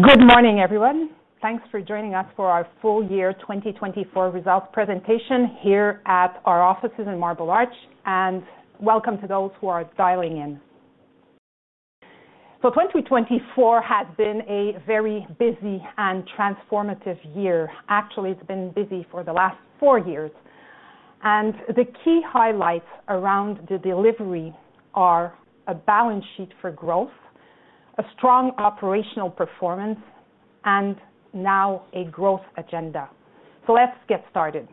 Good morning, everyone. Thanks for joining us for our full year 2024 results presentation here at our offices in Marble Arch, and welcome to those who are dialing in. So, 2024 has been a very busy and transformative year. Actually, it's been busy for the last four years. And the key highlights around the delivery are a balance sheet for growth, a strong operational performance, and now a growth agenda. So, let's get started.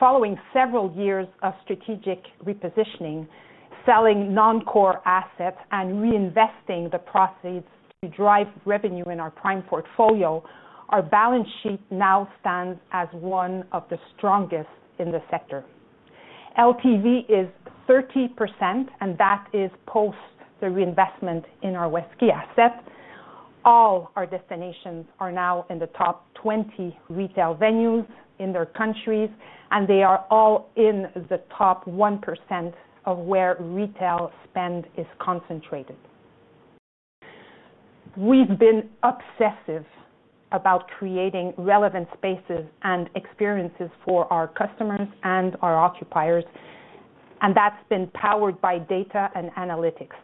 Following several years of strategic repositioning, selling non-core assets, and reinvesting the proceeds to drive revenue in our prime portfolio, our balance sheet now stands as one of the strongest in the sector. LTV is 30%, and that is post the reinvestment in our Westquay asset. All our destinations are now in the top 20 retail venues in their countries, and they are all in the top 1% of where retail spend is concentrated. We've been obsessive about creating relevant spaces and experiences for our customers and our occupiers, and that's been powered by data and analytics.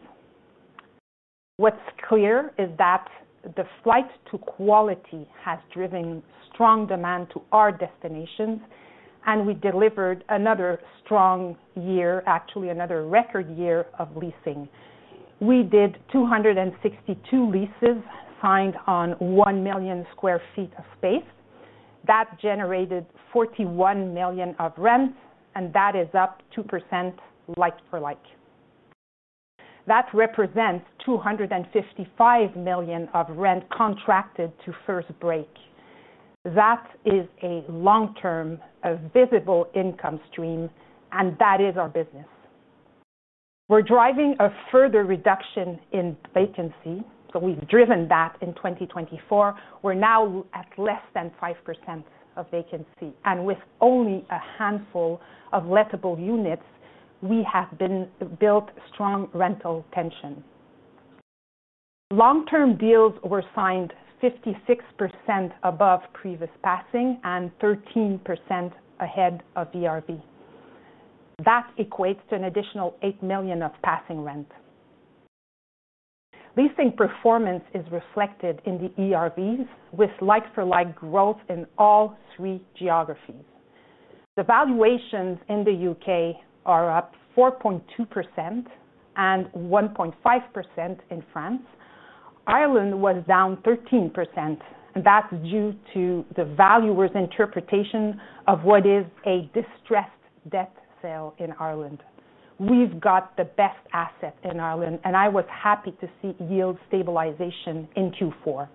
What's clear is that the flight to quality has driven strong demand to our destinations, and we delivered another strong year, actually another record year of leasing. We did 262 leases signed on 1 million sq ft of space. That generated 41 million of rent, and that is up 2% like for like. That represents 255 million of rent contracted to first break. That is a long-term visible income stream, and that is our business. We're driving a further reduction in vacancy, so we've driven that in 2024. We're now at less than 5% of vacancy, and with only a handful of lettable units, we have built strong rental tension. Long-term deals were signed 56% above previous passing and 13% ahead of ERV. That equates to an additional eight million of passing rent. Leasing performance is reflected in the ERVs with like-for-like growth in all three geographies. The valuations in the U.K. are up 4.2% and 1.5% in France. Ireland was down 13%, and that's due to the valuer's interpretation of what is a distressed debt sale in Ireland. We've got the best asset in Ireland, and I was happy to see yield stabilization in Q4.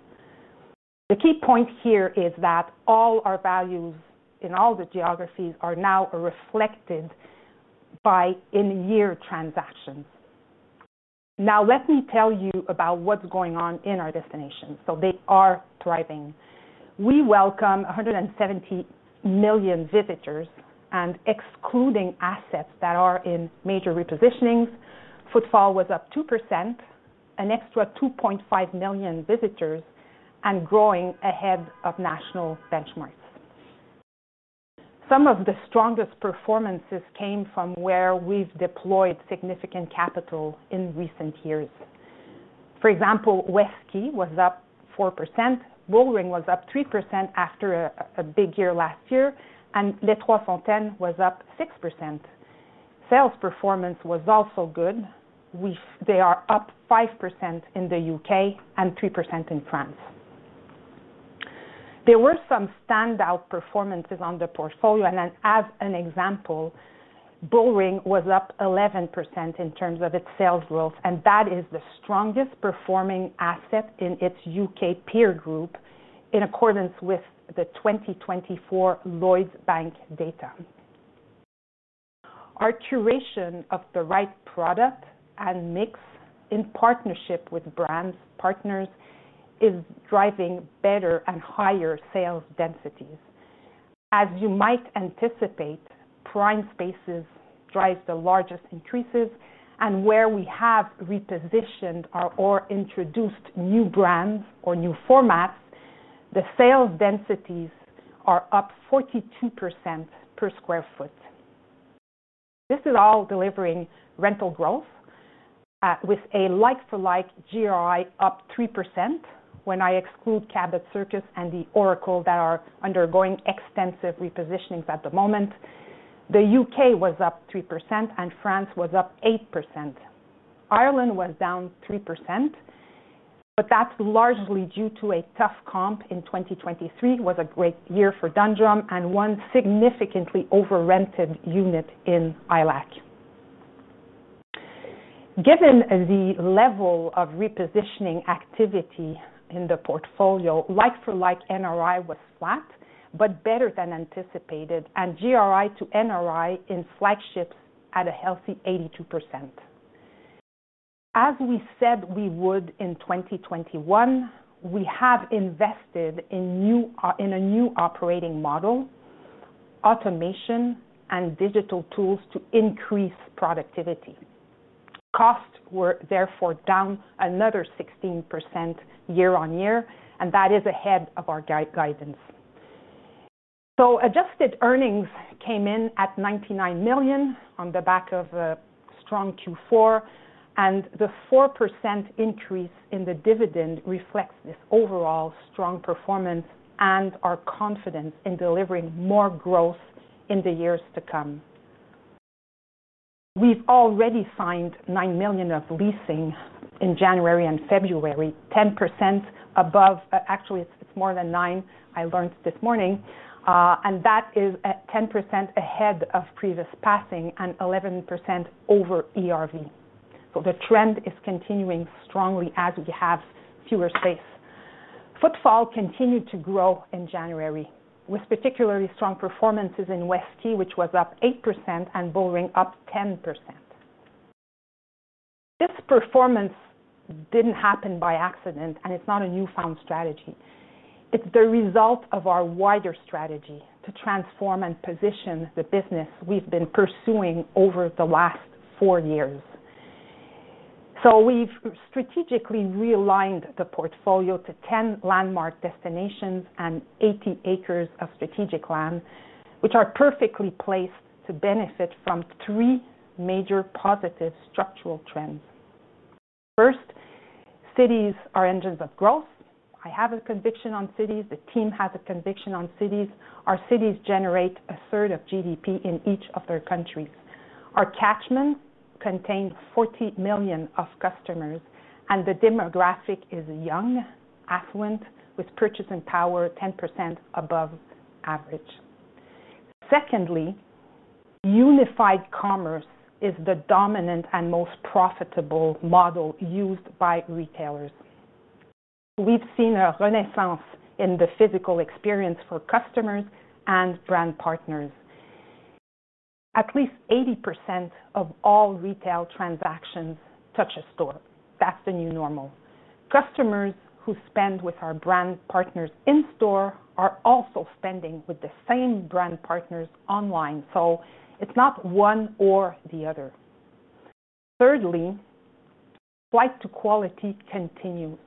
The key point here is that all our values in all the geographies are now reflected by in-year transactions. Now, let me tell you about what's going on in our destinations. They are thriving. We welcome 170 million visitors, and excluding assets that are in major repositionings, footfall was up 2%, an extra 2.5 million visitors, and growing ahead of national benchmarks. Some of the strongest performances came from where we've deployed significant capital in recent years. For example, Westquay was up 4%, Bullring was up 3% after a big year last year, and Les 3 Fontaines was up 6%. Sales performance was also good. They are up 5% in the U.K. and 3% in France. There were some standout performances on the portfolio, and as an example, Bullring was up 11% in terms of its sales growth, and that is the strongest performing asset in its U.K. peer group in accordance with the 2024 Lloyds Bank data. Our curation of the right product and mix in partnership with brands partners is driving better and higher sales densities. As you might anticipate, prime spaces drive the largest increases, and where we have repositioned or introduced new brands or new formats, the sales densities are up 42% per sq ft. This is all delivering rental growth with a like-for-like GRI up 3% when I exclude Cabot Circus and The Oracle that are undergoing extensive repositionings at the moment. The U.K. was up 3%, and France was up 8%. Ireland was down 3%, but that's largely due to a tough comp in 2023. It was a great year for Dundrum and one significantly over-rented unit in ILAC. Given the level of repositioning activity in the portfolio, like-for-like NRI was flat but better than anticipated, and GRI to NRI in flagships at a healthy 82%. As we said we would in 2021, we have invested in a new operating model, automation, and digital tools to increase productivity. Costs were therefore down another 16% year-on-year, and that is ahead of our guidance. Adjusted earnings came in at 99 million on the back of a strong Q4, and the 4% increase in the dividend reflects this overall strong performance and our confidence in delivering more growth in the years to come. We've already signed nine million of leasing in January and February, 10% above, actually, it's more than nine, I learned this morning, and that is 10% ahead of previous passing and 11% over ERV. So, the trend is continuing strongly as we have fewer space. Footfall continued to grow in January with particularly strong performances in Westquay, which was up 8%, and Bullring up 10%. This performance didn't happen by accident, and it's not a newfound strategy. It's the result of our wider strategy to transform and position the business we've been pursuing over the last four years. We've strategically realigned the portfolio to 10 landmark destinations and 80 acres of strategic land, which are perfectly placed to benefit from three major positive structural trends. First, cities are engines of growth. I have a conviction on cities. The team has a conviction on cities. Our cities generate a third of GDP in each of their countries. Our catchment contains 40 million customers, and the demographic is young, affluent, with purchasing power 10% above average. Secondly, unified commerce is the dominant and most profitable model used by retailers. We've seen a renaissance in the physical experience for customers and brand partners. At least 80% of all retail transactions touch a store. That's the new normal. Customers who spend with our brand partners in store are also spending with the same brand partners online, so it's not one or the other. Thirdly, flight to quality continues.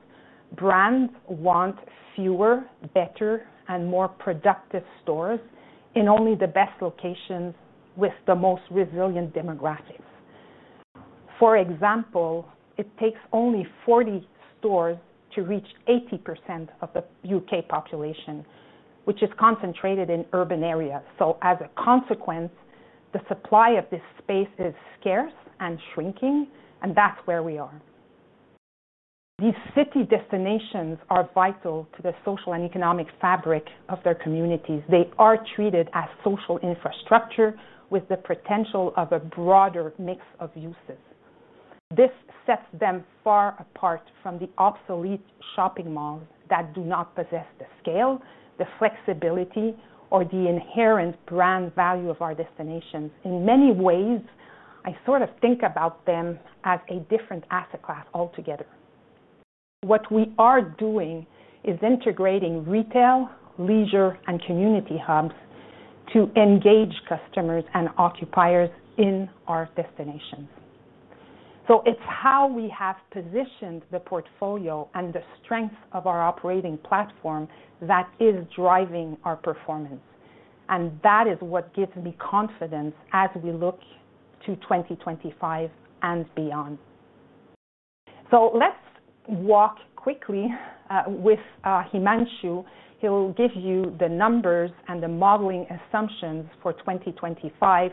Brands want fewer, better, and more productive stores in only the best locations with the most resilient demographics. For example, it takes only 40 stores to reach 80% of the U.K. population, which is concentrated in urban areas. So, as a consequence, the supply of this space is scarce and shrinking, and that's where we are. These city destinations are vital to the social and economic fabric of their communities. They are treated as social infrastructure with the potential of a broader mix of uses. This sets them far apart from the obsolete shopping malls that do not possess the scale, the flexibility, or the inherent brand value of our destinations. In many ways, I sort of think about them as a different asset class altogether. What we are doing is integrating retail, leisure, and community hubs to engage customers and occupiers in our destinations. It's how we have positioned the portfolio and the strength of our operating platform that is driving our performance, and that is what gives me confidence as we look to 2025 and beyond. So, let's walk quickly with Himanshu. He'll give you the numbers and the modeling assumptions for 2025,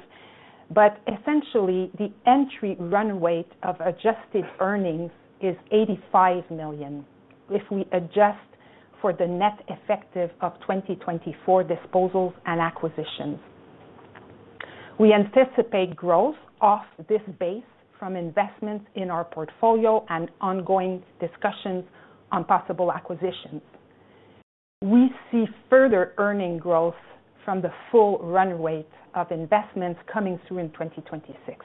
but essentially, the entry run rate of adjusted earnings is 85 million if we adjust for the net effective of 2024 disposals and acquisitions. We anticipate growth off this base from investments in our portfolio and ongoing discussions on possible acquisitions. We see further earning growth from the full run rate of investments coming through in 2026.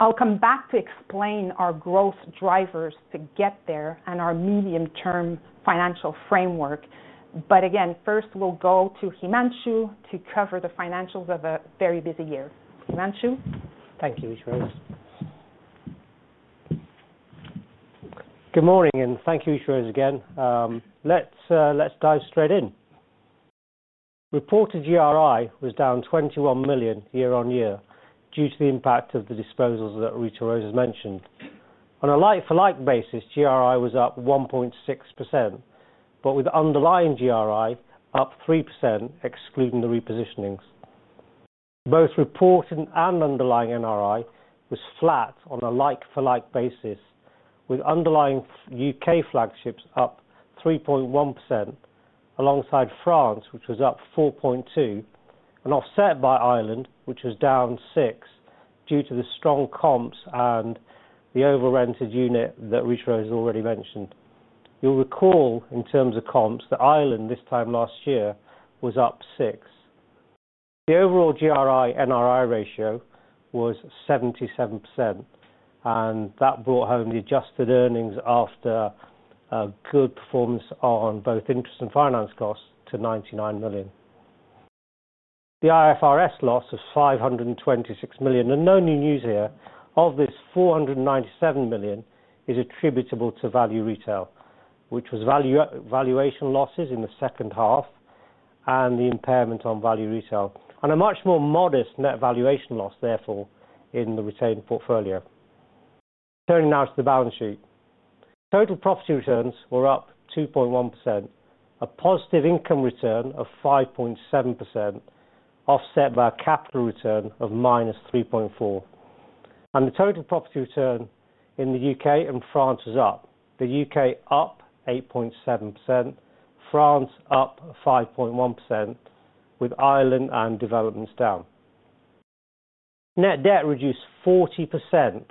I'll come back to explain our growth drivers to get there and our medium-term financial framework, but again, first we'll go to Himanshu to cover the financials of a very busy year. Himanshu. Thank you, Rita. Good morning, and thank you, Rita-Rose, again. Let's dive straight in. Reported GRI was down 21 million year-on-year due to the impact of the disposals that Rita-Rose has mentioned. On a like-for-like basis, GRI was up 1.6%, but with underlying GRI up 3%, excluding the repositionings. Both reported and underlying NRI was flat on a like-for-like basis, with underlying U.K. flagships up 3.1% alongside France, which was up 4.2%, and offset by Ireland, which was down 6% due to the strong comps and the over-rented unit that Rita-Rose has already mentioned. You'll recall in terms of comps that Ireland this time last year was up 6%. The overall GRI-NRI ratio was 77%, and that brought home the adjusted earnings after a good performance on both interest and finance costs to 99 million. The IFRS loss was 526 million, and no new news here. Of this, 497 million is attributable to value retail, which was valuation losses in the second half and the impairment on value retail, and a much more modest net valuation loss, therefore, in the retained portfolio. Turning now to the balance sheet, total property returns were up 2.1%, a positive income return of 5.7%, offset by a capital return of minus 3.4%, and the total property return in the U.K. and France was up. The U.K. up 8.7%, France up 5.1%, with Ireland and developments down. Net debt reduced 40%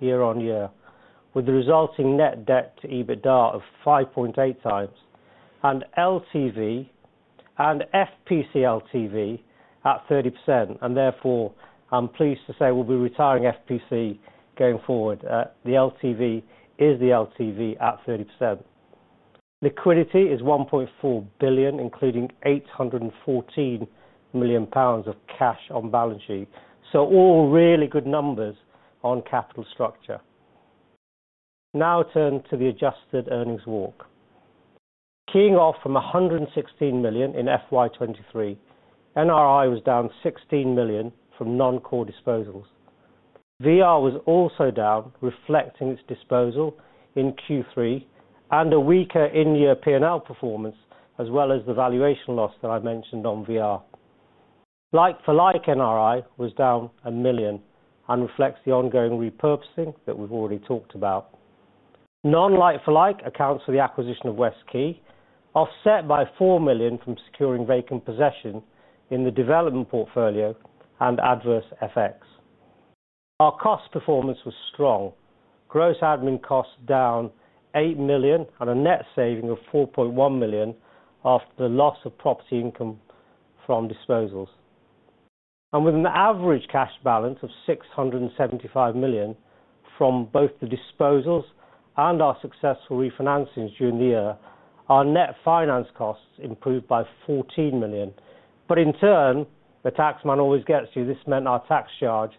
year-on-year, with the resulting net debt to EBITDA of 5.8 times, and LTV and FPC LTV at 30%, and therefore, I'm pleased to say we'll be retiring FPC going forward. The LTV is the LTV at 30%. Liquidity is 1.4 billion, including 814 million pounds of cash on balance sheet, so all really good numbers on capital structure. Now turn to the adjusted earnings walk. Keying off from 116 million in FY 2023, NRI was down 16 million from non-core disposals. VR was also down, reflecting its disposal in Q3, and a weaker in-year P&L performance, as well as the valuation loss that I mentioned on VR. Like-for-like NRI was down 1 million and reflects the ongoing repurposing that we've already talked about. Non-like-for-like accounts for the acquisition of Westquay, offset by 4 million from securing vacant possession in the development portfolio and adverse FX. Our cost performance was strong. Gross admin costs down 8 million and a net saving of 4.1 million after the loss of property income from disposals. And with an average cash balance of 675 million from both the disposals and our successful refinancings during the year, our net finance costs improved by 14 million. But in turn, the tax man always gets you. This meant our tax charge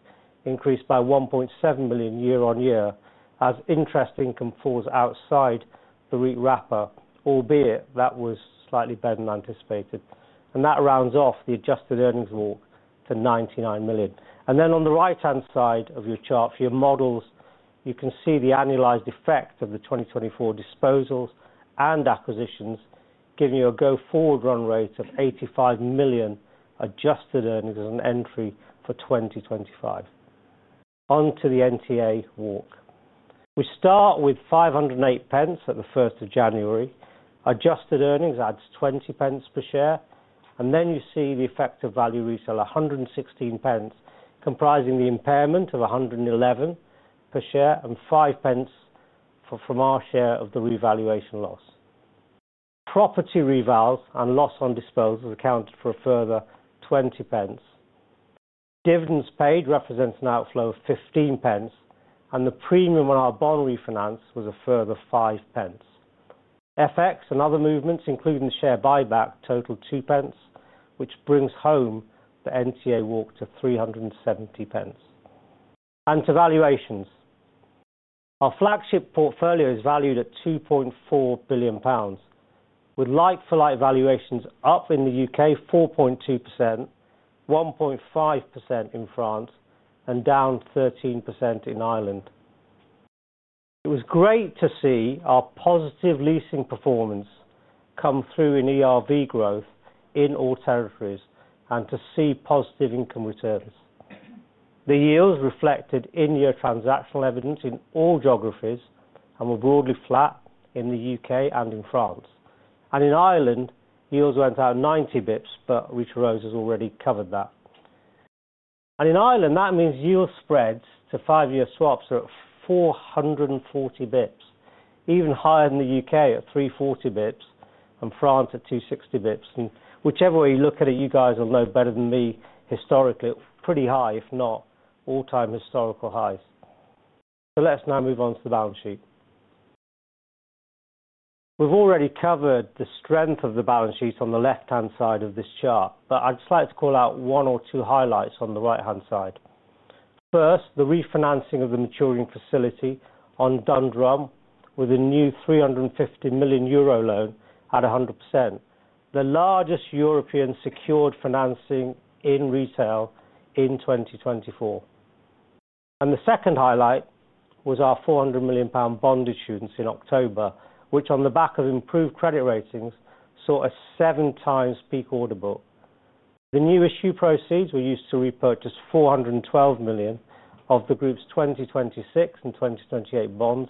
increased by 1.7 million year-on-year as interest income falls outside the REIT wrapper, albeit that was slightly better than anticipated. And that rounds off the adjusted earnings walk to 99 million. And then on the right-hand side of your chart for your models, you can see the annualized effect of the 2024 disposals and acquisitions giving you a go-forward run rate of 85 million adjusted earnings as an entry for 2025. Onto the NTA walk. We start with 508 pence at the 1st of January. Adjusted earnings adds 20 pence per share, and then you see the effective Value Retail of 116 pence, comprising the impairment of 111 per share and 5 pence from our share of the revaluation loss. Property revals and loss on disposals accounted for a further 20 pence. Dividends paid represents an outflow of 0.15, and the premium on our bond refinance was a further 0.05. FX and other movements, including the share buyback, totaled 0.02, which brings home the NTA walk to 3.70, and to valuations, our flagship portfolio is valued at 2.4 billion pounds, with like-for-like valuations up in the U.K. 4.2%, 1.5% in France, and down 13% in Ireland. It was great to see our positive leasing performance come through in ERV growth in all territories and to see positive income returns. The yields reflected in-year transactional evidence in all geographies and were broadly flat in the U.K. and in France, and in Ireland, yields went down 90 basis points, but Rita-Rose has already covered that. In Ireland, that means yield spreads to five-year swaps are at 440 basis points, even higher than the U.K. at 340 basis points and France at 260 basis points. Whichever way you look at it, you guys will know better than me historically, pretty high, if not all-time historical highs. Let's now move on to the balance sheet. We've already covered the strength of the balance sheet on the left-hand side of this chart, but I'd just like to call out one or two highlights on the right-hand side. First, the refinancing of the maturing facility on Dundrum with a new 350 million euro loan at 100%, the largest European secured financing in retail in 2024. The second highlight was our 400 million pound bond issuance in October, which on the back of improved credit ratings saw a seven-times peak order book. The new issue proceeds were used to repurchase 412 million of the group's 2026 and 2028 bonds.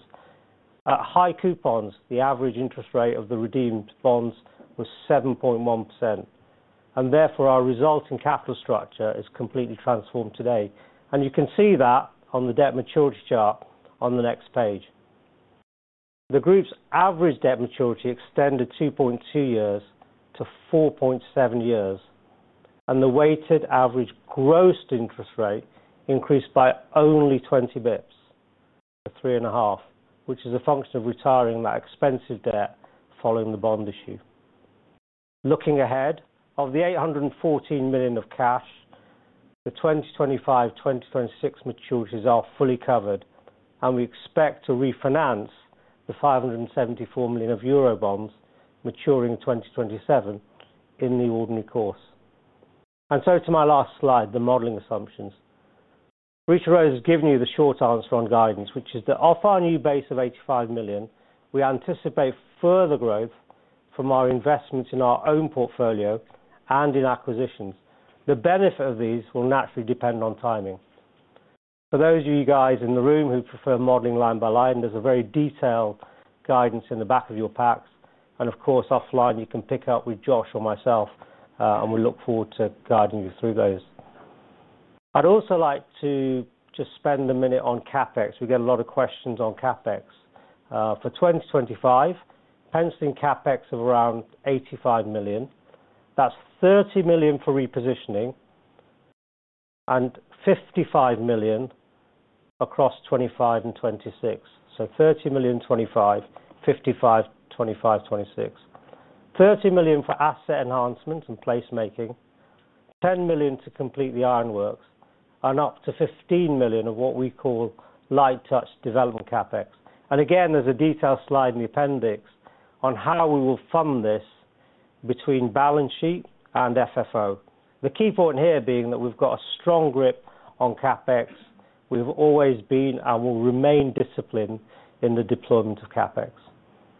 At high coupons, the average interest rate of the redeemed bonds was 7.1%, and therefore our resulting capital structure is completely transformed today, and you can see that on the debt maturity chart on the next page. The group's average debt maturity extended 2.2 years to 4.7 years, and the weighted average gross interest rate increased by only 20 basis points to 3.5%, which is a function of retiring that expensive debt following the bond issue. Looking ahead, of the 814 million of cash, the 2025-2026 maturities are fully covered, and we expect to refinance the 574 million of euro bonds maturing in 2027 in the ordinary course, and so to my last slide, the modeling assumptions. Rita-Rose has given you the short answer on guidance, which is that off our new base of 85 million, we anticipate further growth from our investments in our own portfolio and in acquisitions. The benefit of these will naturally depend on timing. For those of you guys in the room who prefer modeling line by line, there's a very detailed guidance in the back of your packs, and of course, offline, you can pick up with Josh or myself, and we look forward to guiding you through those. I'd also like to just spend a minute on CapEx. We get a lot of questions on CapEx. For 2025, penciling CapEx of around 85 million. That's 30 million for repositioning and 55 million across 2025 and 2026. So 30 million in 2025, 55, 2025, 2026. 30 million for asset enhancements and placemaking, 10 million to complete the Ironworks, and up to 15 million of what we call light touch development CapEx. And again, there's a detailed slide in the appendix on how we will fund this between balance sheet and FFO. The key point here being that we've got a strong grip on CapEx. We've always been and will remain disciplined in the deployment of CapEx.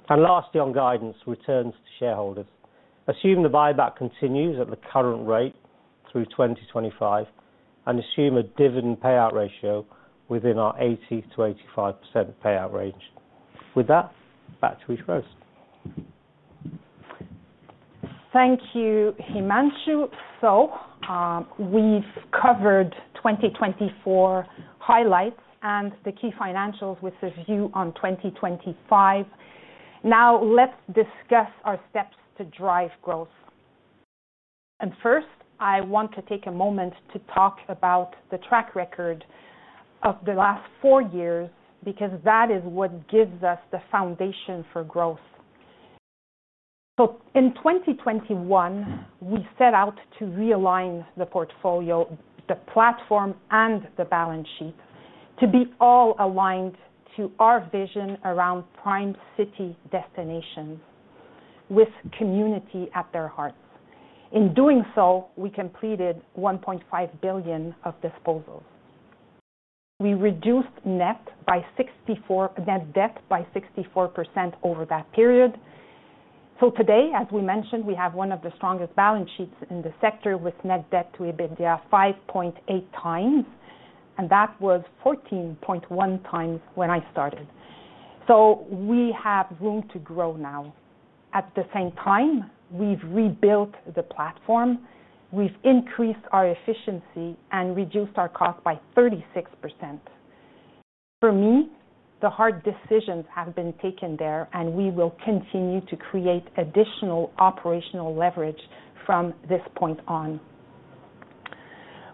And lastly, on guidance, returns to shareholders. Assume the buyback continues at the current rate through 2025, and assume a dividend payout ratio within our 80%-85% payout range. With that, back to Rita-Rose. Thank you, Himanshu. So, we've covered 2024 highlights and the key financials with a view on 2025. Now, let's discuss our steps to drive growth. And first, I want to take a moment to talk about the track record of the last four years because that is what gives us the foundation for growth. So, in 2021, we set out to realign the portfolio, the platform, and the balance sheet to be all aligned to our vision around prime city destinations with community at their hearts. In doing so, we completed 1.5 billion of disposals. We reduced net debt by 64% over that period. So, today, as we mentioned, we have one of the strongest balance sheets in the sector with net debt to EBITDA 5.8 times, and that was 14.1 times when I started. So, we have room to grow now. At the same time, we've rebuilt the platform. We've increased our efficiency and reduced our cost by 36%. For me, the hard decisions have been taken there, and we will continue to create additional operational leverage from this point on.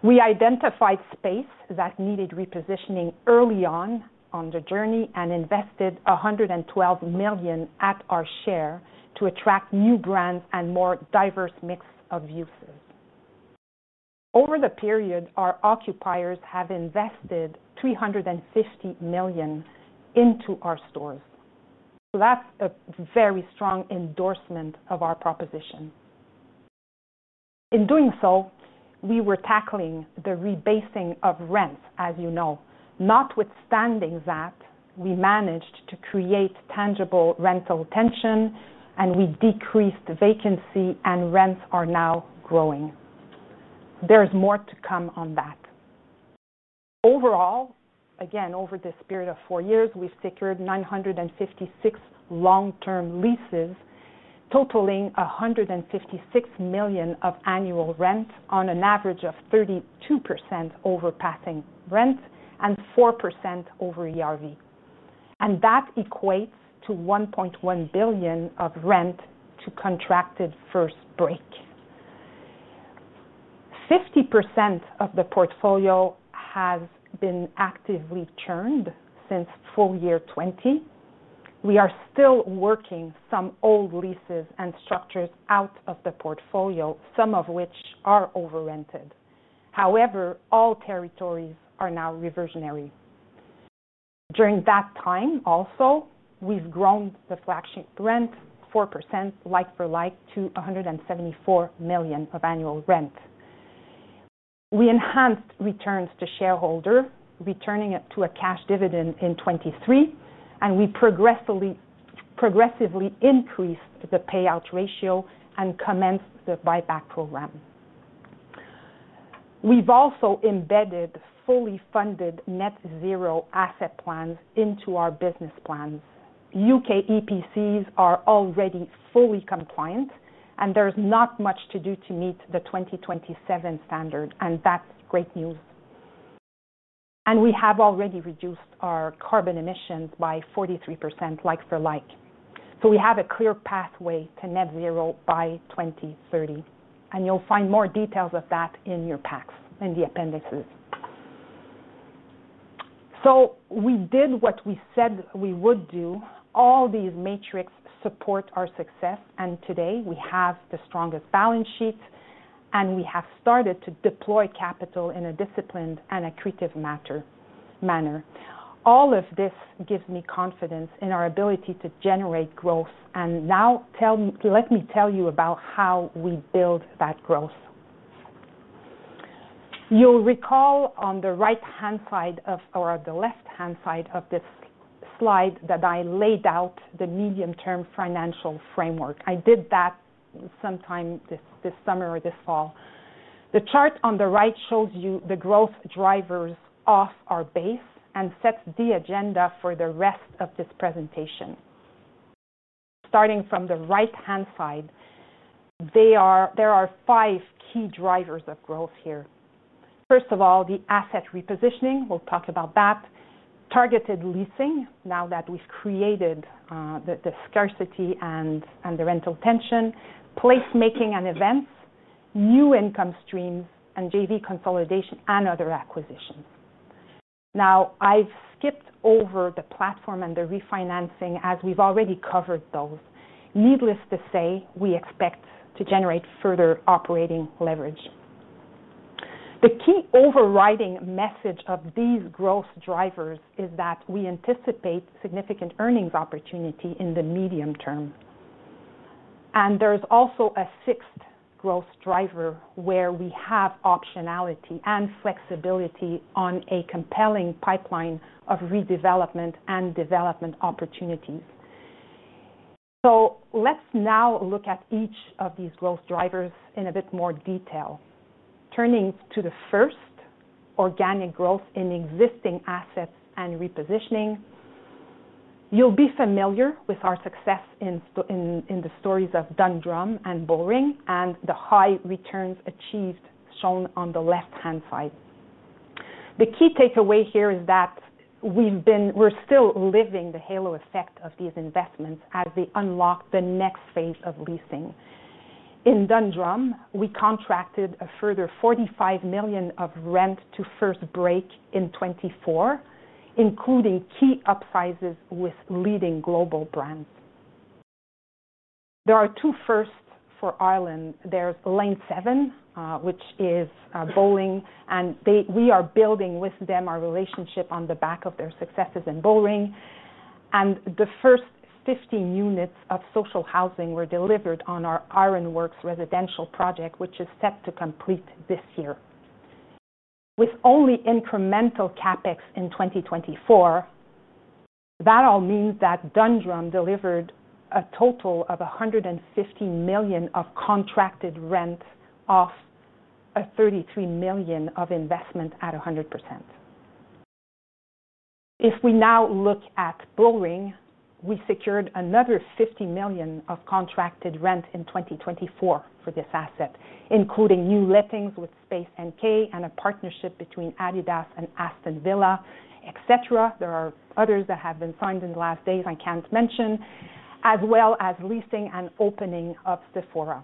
We identified space that needed repositioning early on the journey and invested 112 million at our share to attract new brands and more diverse mix of uses. Over the period, our occupiers have invested 350 million into our stores. So, that's a very strong endorsement of our proposition. In doing so, we were tackling the rebasing of rents, as you know. Notwithstanding that, we managed to create tangible rental tension, and we decreased vacancy, and rents are now growing. There's more to come on that. Overall, again, over the period of four years, we've secured 956 long-term leases, totaling 156 million of annual rent on an average of 32% overpassing rent and 4% over ERV. And that equates to 1.1 billion of rent to contracted first break. 50% of the portfolio has been actively churned since full year 2020. We are still working some old leases and structures out of the portfolio, some of which are over-rented. However, all territories are now revisionary. During that time, also, we've grown the flagship rent, 4% like-for-like, to 174 million of annual rent. We enhanced returns to shareholder, returning it to a cash dividend in 2023, and we progressively increased the payout ratio and commenced the buyback program. We've also embedded fully funded net zero asset plans into our business plans. U.K. EPCs are already fully compliant, and there's not much to do to meet the 2027 standard, and that's great news. And we have already reduced our carbon emissions by 43% like-for-like. So, we have a clear pathway to net zero by 2030. And you'll find more details of that in your packs and the appendices. So, we did what we said we would do. All these metrics support our success, and today we have the strongest balance sheet, and we have started to deploy capital in a disciplined and a creative manner. All of this gives me confidence in our ability to generate growth, and now let me tell you about how we build that growth. You'll recall on the right-hand side of, or the left-hand side of this slide that I laid out the medium-term financial framework. I did that sometime this summer or this fall. The chart on the right shows you the growth drivers of our base and sets the agenda for the rest of this presentation. Starting from the right-hand side, there are five key drivers of growth here. First of all, the asset repositioning, we'll talk about that, targeted leasing now that we've created the scarcity and the rental tension, placemaking and events, new income streams, and JV consolidation and other acquisitions. Now, I've skipped over the platform and the refinancing as we've already covered those. Needless to say, we expect to generate further operating leverage. The key overriding message of these growth drivers is that we anticipate significant earnings opportunity in the medium term. And there's also a sixth growth driver where we have optionality and flexibility on a compelling pipeline of redevelopment and development opportunities. So, let's now look at each of these growth drivers in a bit more detail. Turning to the first, organic growth in existing assets and repositioning. You'll be familiar with our success in the centers of Dundrum and Bullring and the high returns achieved shown on the left-hand side. The key takeaway here is that we're still living the halo effect of these investments as they unlock the next phase of leasing. In Dundrum, we contracted a further 45 million of rent to first break in 2024, including key upsizes with leading global brands. There are two firsts for Ireland. There's Lane7, which is bowling, and we are building with them our relationship on the back of their successes in bowling. And the first 15 units of social housing were delivered on our Ironworks residential project, which is set to complete this year. With only incremental CapEx in 2024, that all means that Dundrum delivered a total of 150 million of contracted rent off a 33 million of investment at 100%. If we now look at Bullring, we secured another 50 million of contracted rent in 2024 for this asset, including new lettings with Space NK and a partnership between Adidas and Aston Villa, etc. There are others that have been signed in the last days I can't mention, as well as leasing and opening up Sephora.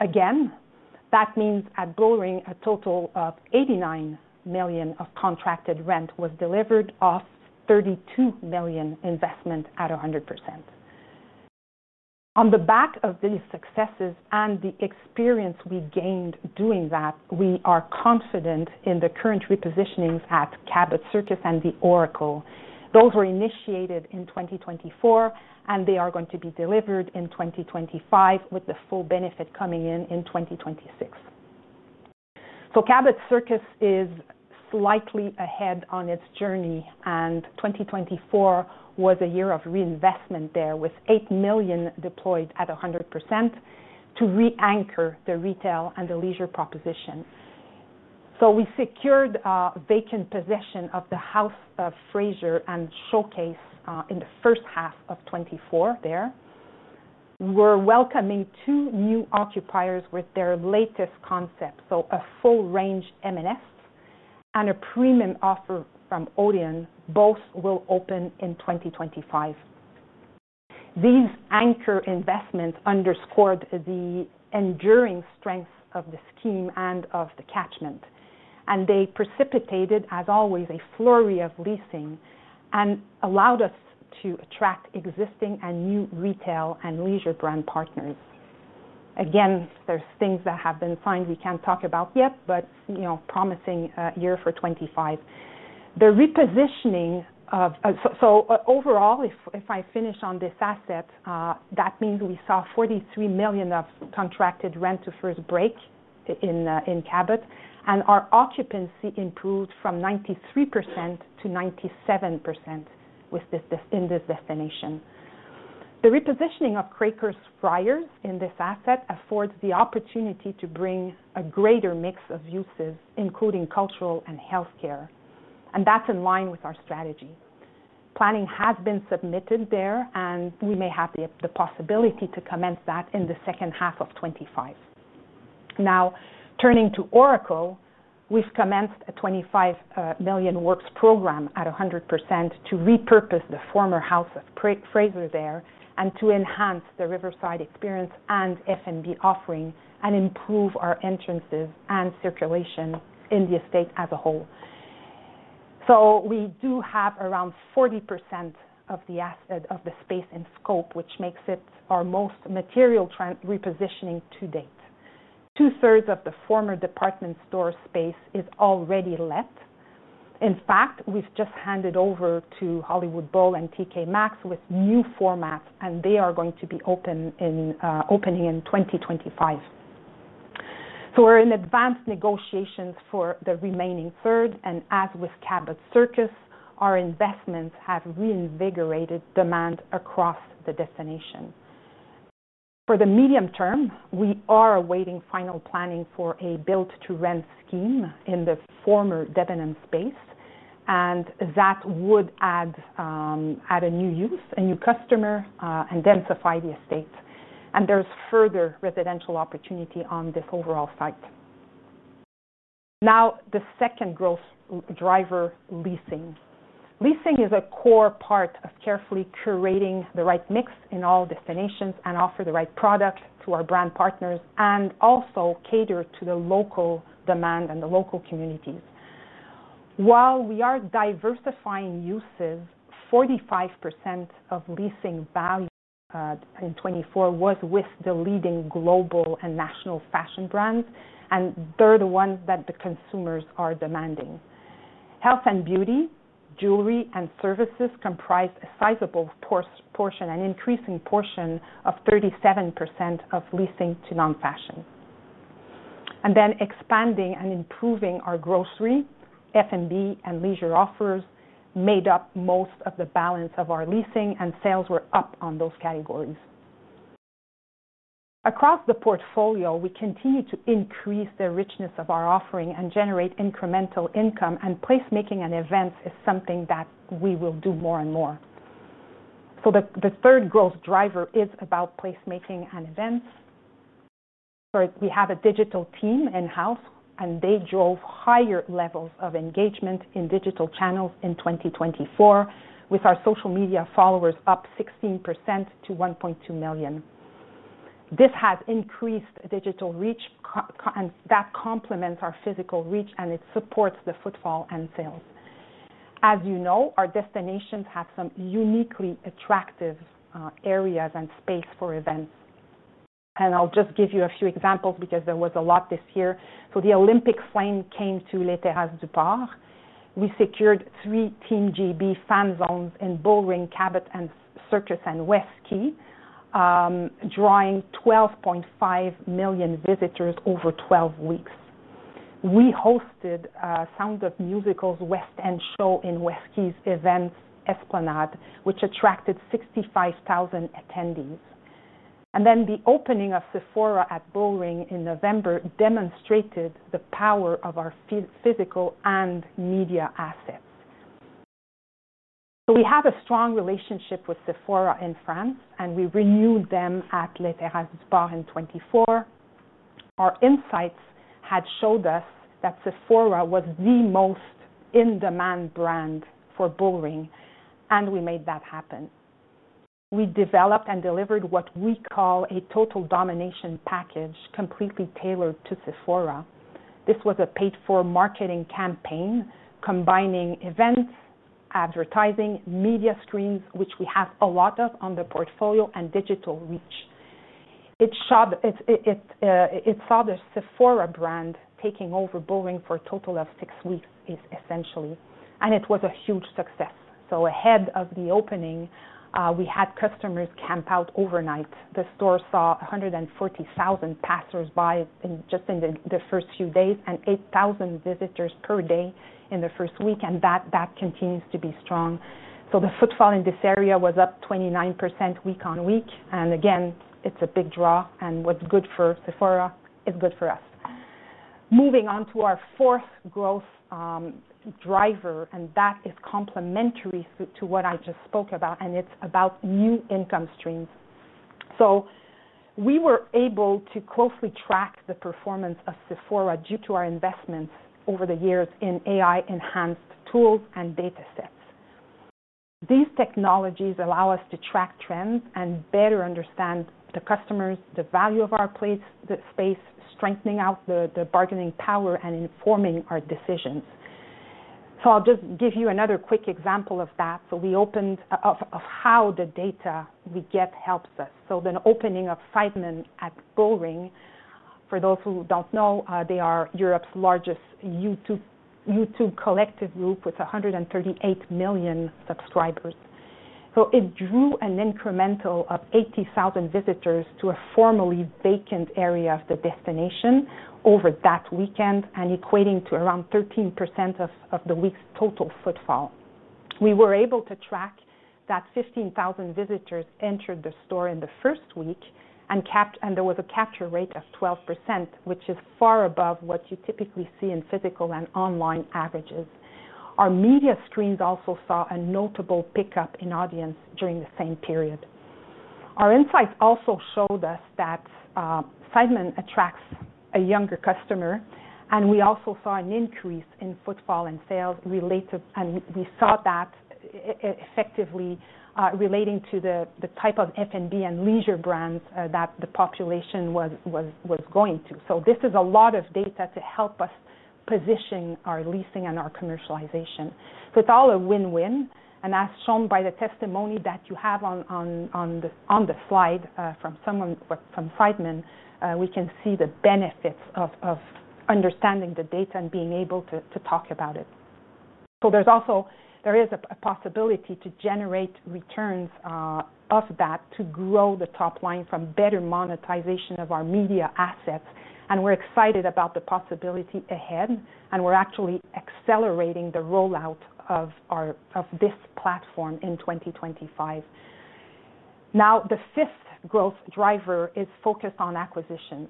Again, that means at Bullring a total of 89 million of contracted rent was delivered off 32 million investment at 100%. On the back of these successes and the experience we gained doing that, we are confident in the current repositionings at Cabot Circus and The Oracle. Those were initiated in 2024, and they are going to be delivered in 2025 with the full benefit coming in in 2026. Cabot Circus is slightly ahead on its journey, and 2024 was a year of reinvestment there with eight million deployed at 100% to re-anchor the retail and the leisure proposition. We secured a vacant position of the House of Fraser and Showcase in the first half of 2024 there. We're welcoming two new occupiers with their latest concept, so a full-range M&S and a premium offer from Odeon. Both will open in 2025. These anchor investments underscored the enduring strength of the scheme and of the catchment, and they precipitated, as always, a flurry of leasing and allowed us to attract existing and new retail and leisure brand partners. Again, there's things that have been signed we can't talk about yet, but promising year for 2025. So overall, if I finish on this asset, that means we saw 43 million of contracted rent to first break in Cabot, and our occupancy improved from 93% to 97% in this destination. The repositioning of Quakers Friars in this asset affords the opportunity to bring a greater mix of uses, including cultural and healthcare, and that's in line with our strategy. Planning has been submitted there, and we may have the possibility to commence that in the second half of 2025. Now, turning to Oracle, we've commenced a 25 million works program at 100% to repurpose the former House of Fraser there and to enhance the Riverside experience and F&B offering and improve our entrances and circulation in the estate as a whole. So, we do have around 40% of the space in scope, which makes it our most material repositioning to date. Two-thirds of the former department store space is already let. In fact, we've just handed over to Hollywood Bowl and TK Maxx with new formats, and they are going to be opening in 2025, so we're in advanced negotiations for the remaining third, and as with Cabot Circus, our investments have reinvigorated demand across the destination. For the medium term, we are awaiting final planning for a build-to-rent scheme in the former Debenhams space, and that would add a new use, a new customer, and densify the estate, and there's further residential opportunity on this overall site. Now, the second growth driver, leasing. Leasing is a core part of carefully curating the right mix in all destinations and offer the right product to our brand partners and also cater to the local demand and the local communities. While we are diversifying uses, 45% of leasing value in 2024 was with the leading global and national fashion brands, and they're the ones that the consumers are demanding. Health and beauty, jewelry and services comprised a sizable portion, an increasing portion of 37% of leasing to non-fashion. And then expanding and improving our grocery, F&B, and leisure offers made up most of the balance of our leasing, and sales were up on those categories. Across the portfolio, we continue to increase the richness of our offering and generate incremental income, and placemaking and events is something that we will do more and more. So, the third growth driver is about placemaking and events. We have a digital team in-house, and they drove higher levels of engagement in digital channels in 2024, with our social media followers up 16% to 1.2 million. This has increased digital reach, and that complements our physical reach, and it supports the footfall and sales. As you know, our destinations have some uniquely attractive areas and space for events. And I'll just give you a few examples because there was a lot this year. So, the Olympic flame came to Les Terrasses du Port. We secured three Team GB fan zones in Bullring, Cabot Circus, and Wesquay, drawing 12.5 million visitors over 12 weeks. We hosted Sound of Music's West End show in Westquay's Events Esplanade, which attracted 65,000 attendees. And then the opening of Sephora at Bullring in November demonstrated the power of our physical and media assets. So, we have a strong relationship with Sephora in France, and we renewed them at Les Terrasses du Port in 2024. Our insights had showed us that Sephora was the most in-demand brand for Bullring, and we made that happen. We developed and delivered what we call a total domination package completely tailored to Sephora. This was a paid-for marketing campaign combining events, advertising, media screens, which we have a lot of on the portfolio, and digital reach. It saw the Sephora brand taking over Bullring for a total of six weeks essentially, and it was a huge success. Ahead of the opening, we had customers camp out overnight. The store saw 140,000 passers-by just in the first few days and 8,000 visitors per day in the first week, and that continues to be strong. The footfall in this area was up 29% week on week, and again, it's a big draw, and what's good for Sephora is good for us. Moving on to our fourth growth driver, and that is complementary to what I just spoke about, and it's about new income streams, so we were able to closely track the performance of Sephora due to our investments over the years in AI-enhanced tools and data sets. These technologies allow us to track trends and better understand the customers, the value of our place space, strengthening our the bargaining power and informing our decisions, so I'll just give you another quick example of that, so we opened up how the data we get helps us, so the opening of Sidemen at Bullring, for those who don't know, they are Europe's largest YouTube collective group with 138 million subscribers. So, it drew an incremental of 80,000 visitors to a formerly vacant area of the destination over that weekend and equating to around 13% of the week's total footfall. We were able to track that 15,000 visitors entered the store in the first week, and there was a capture rate of 12%, which is far above what you typically see in physical and online averages. Our media screens also saw a notable pickup in audience during the same period. Our insights also showed us that Sidemen attracts a younger customer, and we also saw an increase in footfall and sales related, and we saw that effectively relating to the type of F&B and leisure brands that the population was going to. So, this is a lot of data to help us position our leasing and our commercialization. So, it's all a win-win, and as shown by the testimony that you have on the slide from Sidemen, we can see the benefits of understanding the data and being able to talk about it. There is a possibility to generate returns of that to grow the top line from better monetization of our media assets, and we're excited about the possibility ahead, and we're actually accelerating the rollout of this platform in 2025. Now, the fifth growth driver is focused on acquisitions.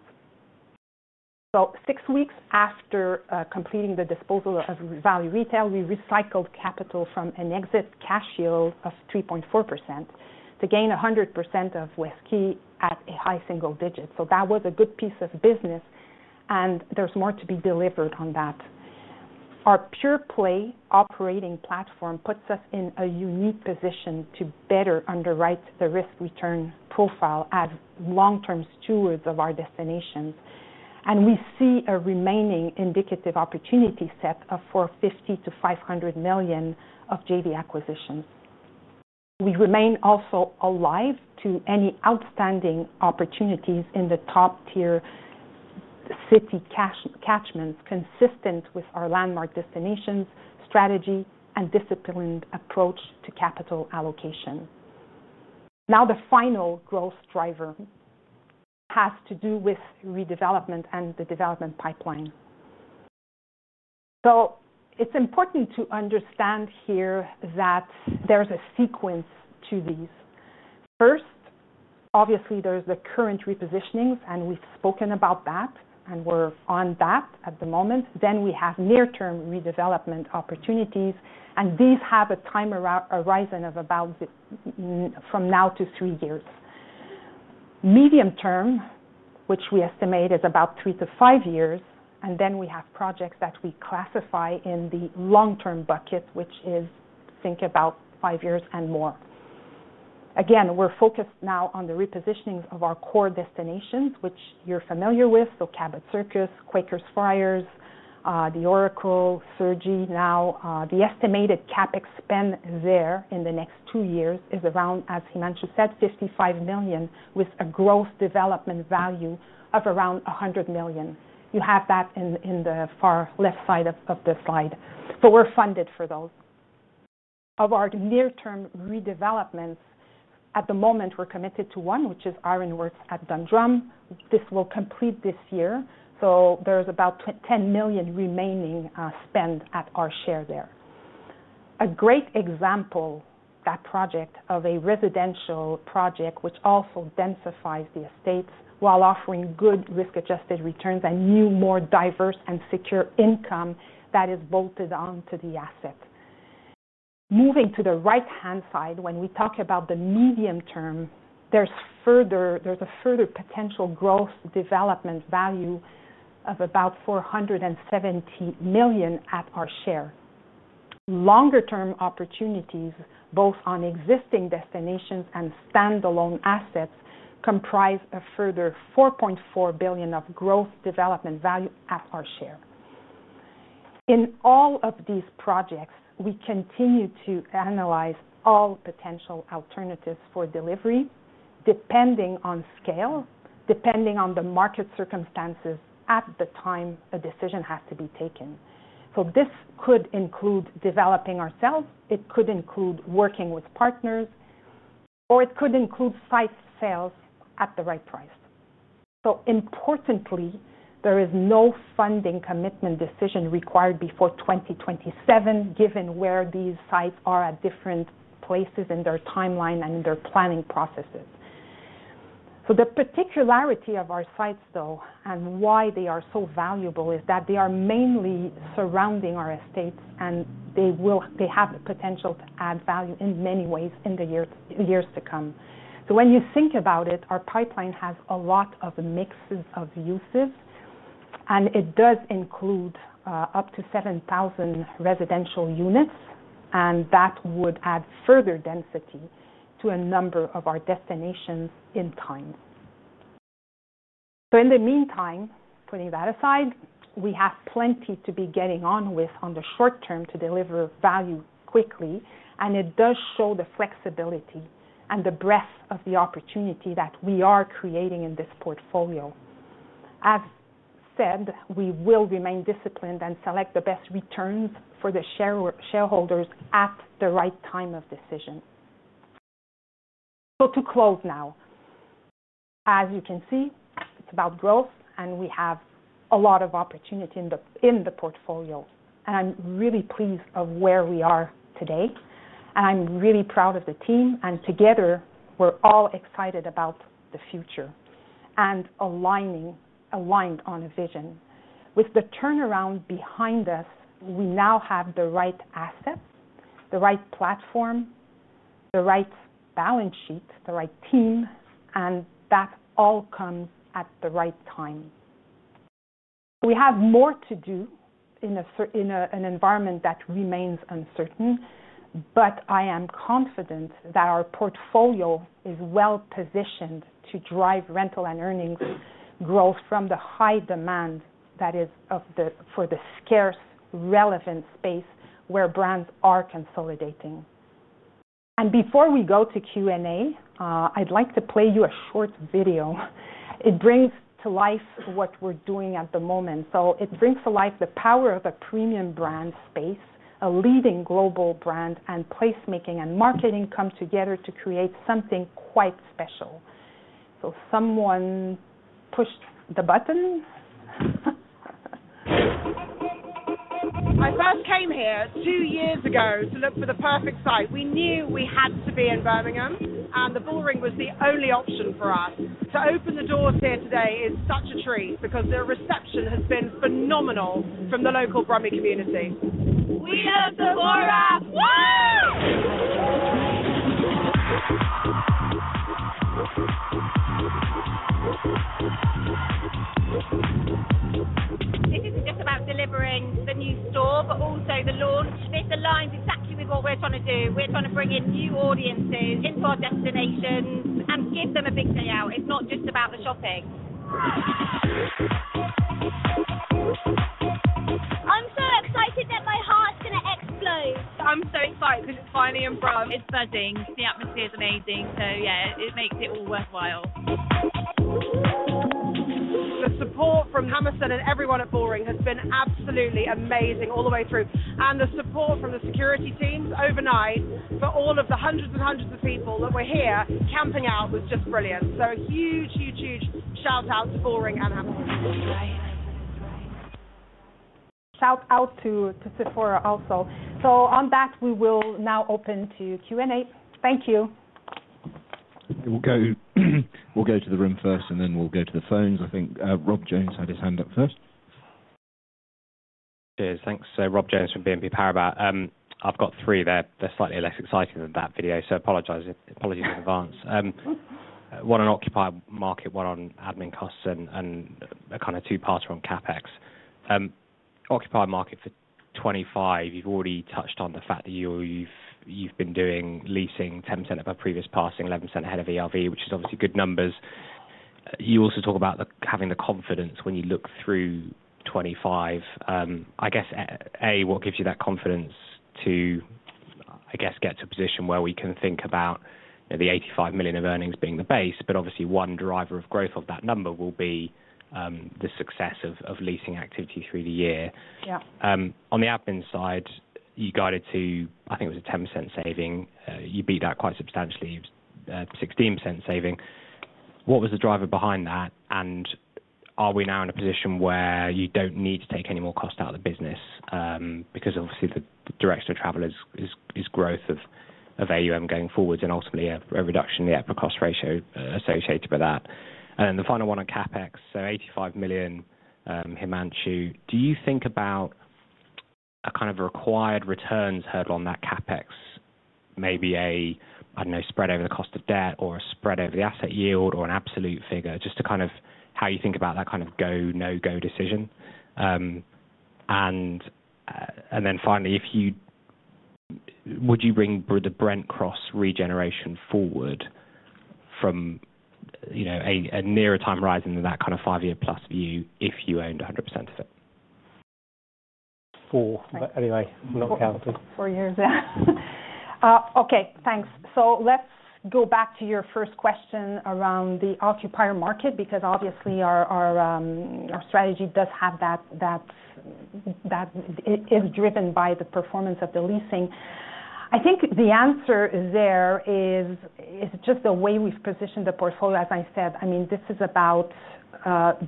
Six weeks after completing the disposal of Value Retail, we recycled capital from an exit cash yield of 3.4% to gain 100% of Westquay at a high single digit. That was a good piece of business, and there's more to be delivered on that. Our pure play operating platform puts us in a unique position to better underwrite the risk-return profile as long-term stewards of our destinations, and we see a remaining indicative opportunity set of 450-500 million of JV acquisitions. We remain also alive to any outstanding opportunities in the top-tier city catchments consistent with our landmark destinations strategy and disciplined approach to capital allocation. Now, the final growth driver has to do with redevelopment and the development pipeline. So, it's important to understand here that there's a sequence to these. First, obviously, there's the current repositionings, and we've spoken about that, and we're on that at the moment. Then we have near-term redevelopment opportunities, and these have a time horizon of about from now to three years. Medium term, which we estimate is about three to five years, and then we have projects that we classify in the long-term bucket, which is think about five years and more. Again, we're focused now on the repositionings of our core destinations, which you're familiar with, so Cabot Circus, Quakers Friars, The Oracle, Cergy. Now, the estimated CapEx there in the next two years is around, as Himanshu said, 55 million, with a gross development value of around 100 million. You have that in the far left side of the slide. So, we're funded for those. Of our near-term redevelopments, at the moment, we're committed to one, which is Ironworks at Dundrum. This will complete this year, so there's about 10 million remaining spend at our share there. A great example, that project of a residential project, which also densifies the estates while offering good risk-adjusted returns and new, more diverse and secure income that is bolted onto the asset. Moving to the right-hand side, when we talk about the medium term, there's a further potential growth development value of about 470 million at our share. Longer-term opportunities, both on existing destinations and standalone assets, comprise a further 4.4 billion of growth development value at our share. In all of these projects, we continue to analyze all potential alternatives for delivery, depending on scale, depending on the market circumstances at the time a decision has to be taken. So, this could include developing ourselves, it could include working with partners, or it could include site sales at the right price. So, importantly, there is no funding commitment decision required before 2027, given where these sites are at different places in their timeline and in their planning processes. So, the particularity of our sites, though, and why they are so valuable, is that they are mainly surrounding our estates, and they have the potential to add value in many ways in the years to come. When you think about it, our pipeline has a lot of mixes of uses, and it does include up to 7,000 residential units, and that would add further density to a number of our destinations in time. In the meantime, putting that aside, we have plenty to be getting on with on the short term to deliver value quickly, and it does show the flexibility and the breadth of the opportunity that we are creating in this portfolio. As said, we will remain disciplined and select the best returns for the shareholders at the right time of decision. To close now, as you can see, it's about growth, and we have a lot of opportunity in the portfolio, and I'm really pleased of where we are today, and I'm really proud of the team, and together, we're all excited about the future and aligned on a vision. With the turnaround behind us, we now have the right assets, the right platform, the right balance sheet, the right team, and that all comes at the right time. We have more to do in an environment that remains uncertain, but I am confident that our portfolio is well positioned to drive rental and earnings growth from the high demand that is for the scarce relevant space where brands are consolidating, and before we go to Q&A, I'd like to play you a short video. It brings to life what we're doing at the moment, so it brings to life the power of a premium brand space, a leading global brand, and placemaking and marketing come together to create something quite special, so someone pushed the button. I first came here two years ago to look for the perfect site. We knew we had to be in Birmingham, and the Bullring was the only option for us. To open the doors here today is such a treat because the reception has been phenomenal from the local Brummie community. We are Sephora. This isn't just about delivering the new store, but also the launch. This aligns exactly with what we're trying to do. We're trying to bring in new audiences into our destinations and give them a big day out. It's not just about the shopping. I'm so excited that my heart's going to explode. I'm so excited because it's finally in Brum. It's buzzing. The atmosphere is amazing, so yeah, it makes it all worthwhile. The support from Hammerson and everyone at Bullring has been absolutely amazing all the way through, and the support from the security teams overnight for all of the hundreds and hundreds of people that were here camping out was just brilliant. So, huge, huge, huge shout-out to Bullring and Hammerson. Shout-out to Sephora also. So, on that, we will now open to Q&A. Thank you. We'll go to the room first, and then we'll go to the phones. I think Rob Jones had his hand up first. Cheers. Thanks, Rob Jones from BNP Paribas. I've got three there. They're slightly less exciting than that video, so apologies in advance. One on occupied market, one on admin costs, and a kind of two-parter on CapEx. Occupied market for 25. You've already touched on the fact that you've been doing leasing 10% above previous passing, 11% ahead of ERV, which is obviously good numbers. You also talk about having the confidence when you look through 2025. I guess, A, what gives you that confidence to, I guess, get to a position where we can think about the 85 million of earnings being the base, but obviously, one driver of growth of that number will be the success of leasing activity through the year. On the admin side, you guided to, I think it was a 10% saving. You beat that quite substantially. It was 16% saving. What was the driver behind that? And are we now in a position where you don't need to take any more cost out of the business? Because obviously, the director of travel is growth of AUM going forward and ultimately a reduction in the EPRA cost ratio associated with that. And then the final one on CapEx, so 85 million, Himanshu. Do you think about a kind of required returns hurdle on that CapEx? Maybe a, I don't know, spread over the cost of debt or a spread over the asset yield or an absolute figure, just to kind of how you think about that kind of go, no-go decision. And then finally, would you bring the Brent Cross regeneration forward from a nearer time horizon than that kind of five-year plus view if you owned 100% of it? Four, but anyway, not counted. Four years, yeah. Okay, thanks, so let's go back to your first question around the occupier market because obviously, our strategy does have that is driven by the performance of the leasing. I think the answer there is just the way we've positioned the portfolio. As I said, I mean, this is about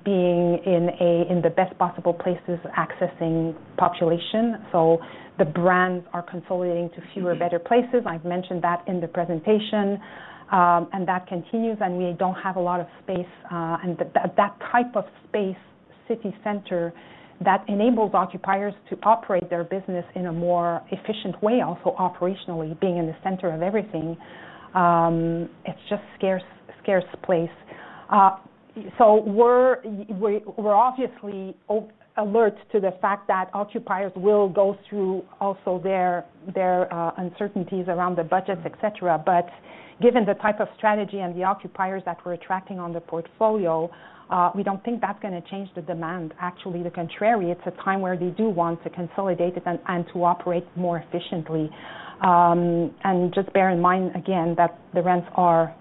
being in the best possible places accessing population. So the brands are consolidating to fewer better places. I've mentioned that in the presentation, and that continues, and we don't have a lot of space. And that type of space, city center, that enables occupiers to operate their business in a more efficient way, also operationally, being in the center of everything. It's just a scarce place. So we're obviously alert to the fact that occupiers will go through also their uncertainties around the budgets, etc. But given the type of strategy and the occupiers that we're attracting on the portfolio, we don't think that's going to change the demand. Actually, the contrary. It's a time where they do want to consolidate it and to operate more efficiently. Just bear in mind, again, that the rents are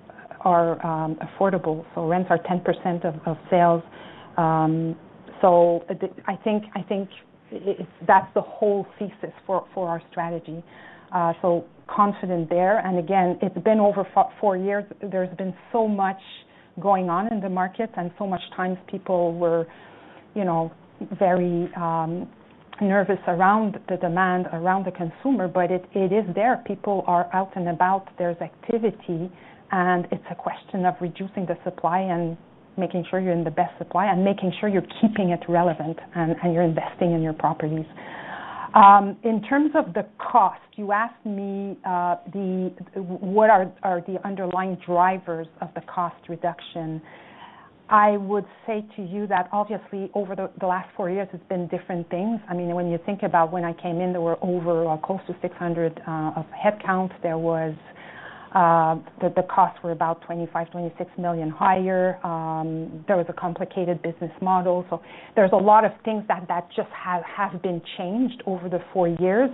affordable. Rents are 10% of sales. I think that's the whole thesis for our strategy. Confident there. Again, it's been over four years. There's been so much going on in the markets and so many times people were very nervous around the demand, around the consumer, but it is there. People are out and about. There's activity, and it's a question of reducing the supply and making sure you're in the best supply and making sure you're keeping it relevant and you're investing in your properties. In terms of the cost, you asked me what are the underlying drivers of the cost reduction. I would say to you that obviously, over the last four years, it's been different things. I mean, when you think about when I came in, there were over close to 600 headcounts. The costs were about 25-26 million higher. There was a complicated business model. So there's a lot of things that just have been changed over the four years.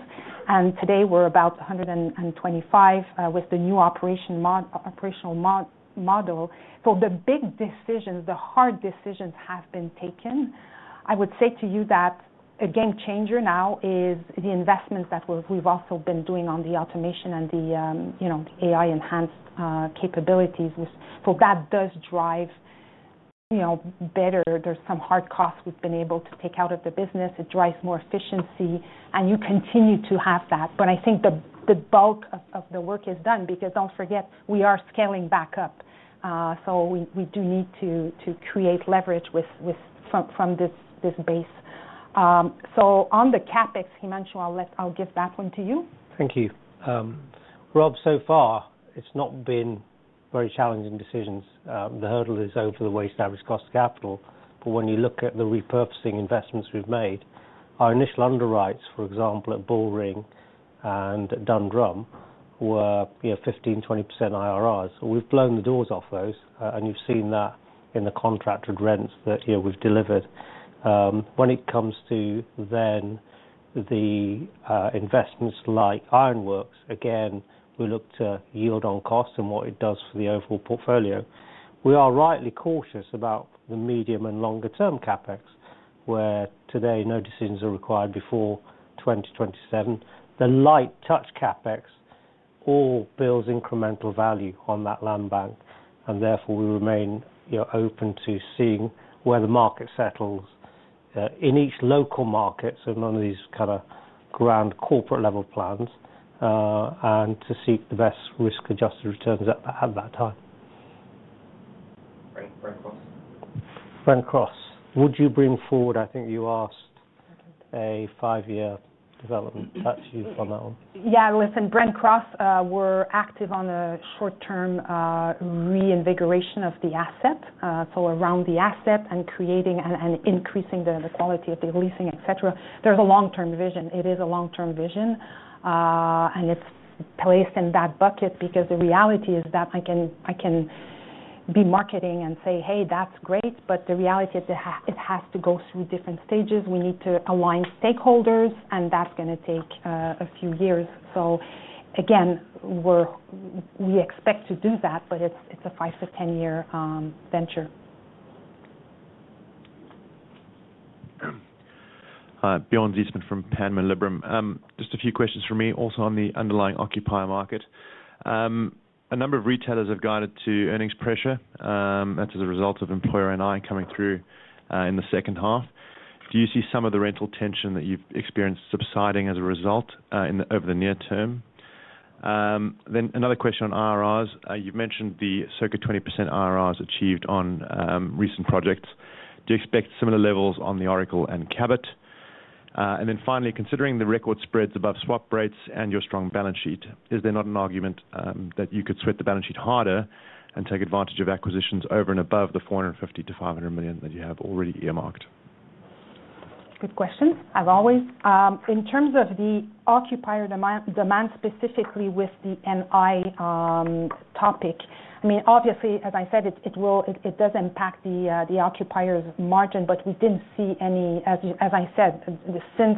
And today, we're about 125 with the new operational model. So the big decisions, the hard decisions have been taken. I would say to you that a game changer now is the investments that we've also been doing on the automation and the AI-enhanced capabilities. So that does drive better. There's some hard costs we've been able to take out of the business. It drives more efficiency, and you continue to have that. But I think the bulk of the work is done because don't forget, we are scaling back up. So we do need to create leverage from this base. So on the CapEx, Himanshu, I'll give that one to you. Thank you. Rob, so far, it's not been very challenging decisions. The hurdle is over the weighted average cost of capital. But when you look at the repurposing investments we've made, our initial underwrites, for example, at Bullring and Dundrum, were 15%-20% IRRs. We've blown the doors off those, and you've seen that in the contracted rents that we've delivered. When it comes to the investments like Ironworks, again, we look to yield on cost and what it does for the overall portfolio. We are rightly cautious about the medium and longer-term CapEx, where today, no decisions are required before 2027. The light touch CapEx all builds incremental value on that land bank, and therefore, we remain open to seeing where the market settles in each local market, so none of these kind of grand corporate-level plans, and to seek the best risk-adjusted returns at that time. Brent Cross. Brent Cross, would you bring forward, I think you asked, a five-year development? That's you on that one. Yeah, listen, Brent Cross, we're active on a short-term reinvigoration of the asset. So around the asset and creating and increasing the quality of the leasing, etc. There's a long-term vision. It is a long-term vision, and it's placed in that bucket because the reality is that I can be marketing and say, "Hey, that's great," but the reality, it has to go through different stages. We need to align stakeholders, and that's going to take a few years. So again, we expect to do that, but it's a five- to ten-year venture. Bjorn Zietsman from Panmure Liberum. Just a few questions for me also on the underlying occupier market. A number of retailers have guided to earnings pressure. That's as a result of Employer NI coming through in the second half. Do you see some of the rental tension that you've experienced subsiding as a result over the near term? Then another question on IRRs. You've mentioned the circa 20% IRRs achieved on recent projects. Do you expect similar levels on the Oracle and Cabot? And then finally, considering the record spreads above swap rates and your strong balance sheet, is there not an argument that you could sweat the balance sheet harder and take advantage of acquisitions over and above the 450-500 million that you have already earmarked? Good question, as always. In terms of the occupier demand specifically with the NI topic, I mean, obviously, as I said, it does impact the occupier's margin, but we didn't see any, as I said, since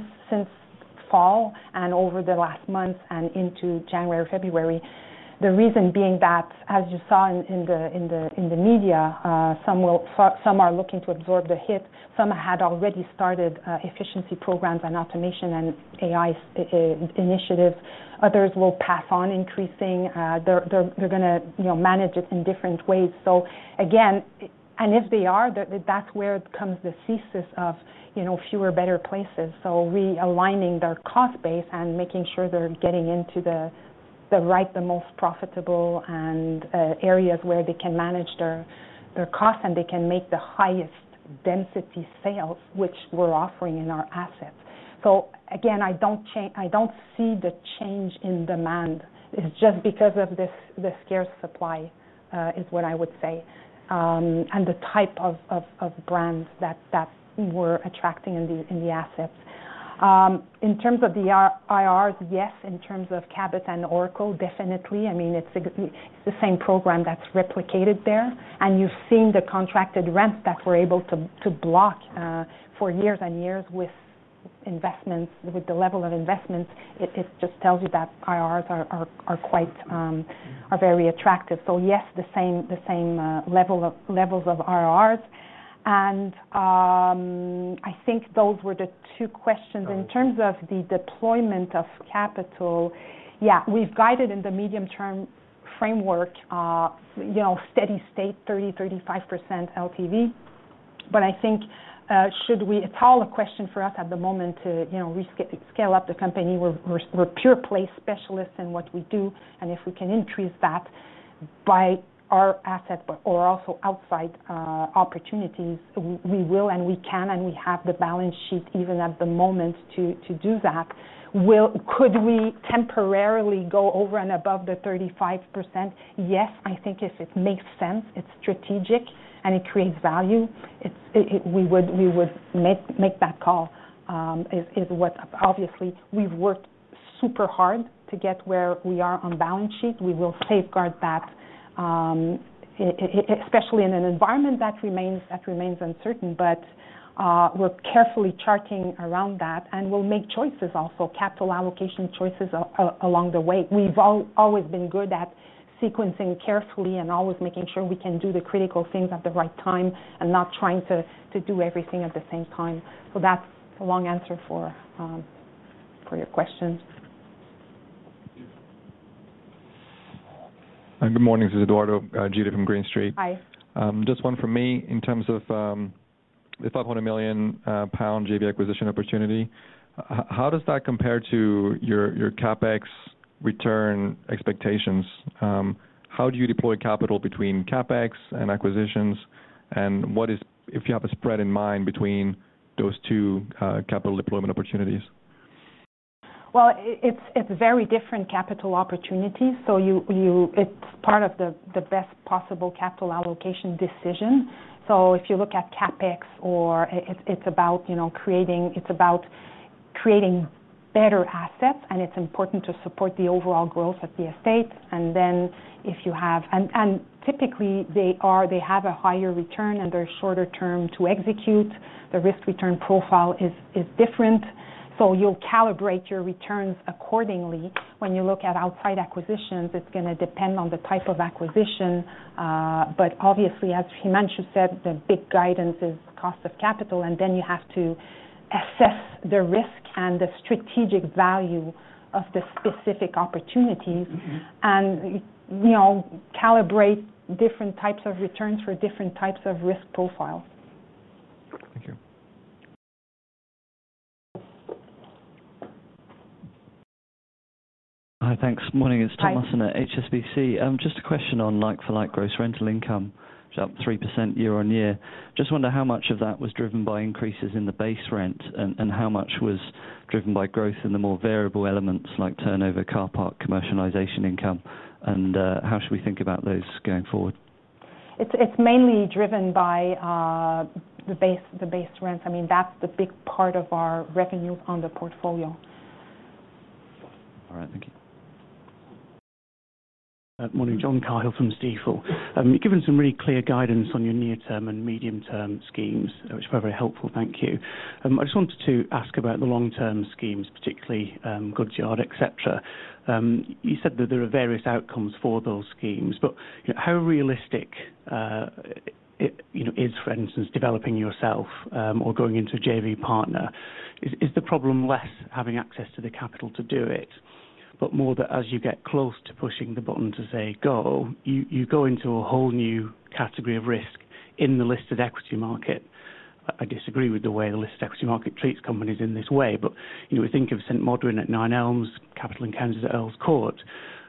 fall and over the last months and into January or February. The reason being that, as you saw in the media, some are looking to absorb the hit. Some had already started efficiency programs and automation and AI initiatives. Others will pass on increasing. They're going to manage it in different ways. So again, and if they are, that's where it comes the thesis of fewer better places. So re-aligning their cost base and making sure they're getting into the right, the most profitable areas where they can manage their costs and they can make the highest density sales, which we're offering in our assets. So again, I don't see the change in demand. It's just because of the scarce supply is what I would say, and the type of brands that we're attracting in the assets. In terms of the IRRs, yes, in terms of Cabot and Oracle, definitely. I mean, it's the same program that's replicated there, and you've seen the contracted rents that we're able to block for years and years with investments, with the level of investments. It just tells you that IRRs are very attractive, so yes, the same levels of IRRs, and I think those were the two questions. In terms of the deployment of capital, yeah, we've guided in the medium-term framework, steady state, 30%-35% LTV, but I think it's all a question for us at the moment to scale up the company. We're pure-play specialists in what we do. And if we can increase that by our asset or also outside opportunities, we will, and we can, and we have the balance sheet even at the moment to do that. Could we temporarily go over and above the 35%? Yes, I think if it makes sense, it's strategic, and it creates value, we would make that call. Obviously, we've worked super hard to get where we are on balance sheet. We will safeguard that, especially in an environment that remains uncertain, but we're carefully charting around that. And we'll make choices also, capital allocation choices along the way. We've always been good at sequencing carefully and always making sure we can do the critical things at the right time and not trying to do everything at the same time. So that's a long answer for your questions. Thank you. And good morning. This is Eduardo Gili from Green Street. Hi. Just one from me in terms of the 500 million pound JV acquisition opportunity. How does that compare to your CapEx return expectations? How do you deploy capital between CapEx and acquisitions? And if you have a spread in mind between those two capital deployment opportunities? It's very different capital opportunities. It's part of the best possible capital allocation decision. If you look at CapEx, it's about creating better assets, and it's important to support the overall growth of the estate. Typically, they have a higher return and they're shorter term to execute. The risk-return profile is different. You'll calibrate your returns accordingly. When you look at outside acquisitions, it's going to depend on the type of acquisition. But obviously, as Himanshu said, the big guidance is cost of capital, and then you have to assess the risk and the strategic value of the specific opportunities and calibrate different types of returns for different types of risk profiles. Hi, thanks. Morning. Hi It's Tom Musson at HSBC. Just a question on like-for-like gross rental income, which is up 3% year-on-year. Just wonder how much of that was driven by increases in the base rent and how much was driven by growth in the more variable elements like turnover, car park, commercialization income? And how should we think about those going forward? It's mainly driven by the base rents. I mean, that's the big part of our revenues on the portfolio. All right. Thank you. Morning. John Cahill from Stifel. You've given some really clear guidance on your near-term and medium-term schemes, which were very helpful. Thank you. I just wanted to ask about the long-term schemes, particularly The Goodsyard, etc. You said that there are various outcomes for those schemes, but how realistic is, for instance, developing yourself or going into a JV partner? Is the problem less having access to the capital to do it, but more that as you get close to pushing the button to say go, you go into a whole new category of risk in the listed equity market? I disagree with the way the listed equity market treats companies in this way, but we think of St. Modwen at Nine Elms, Capital & Counties at Earls Court.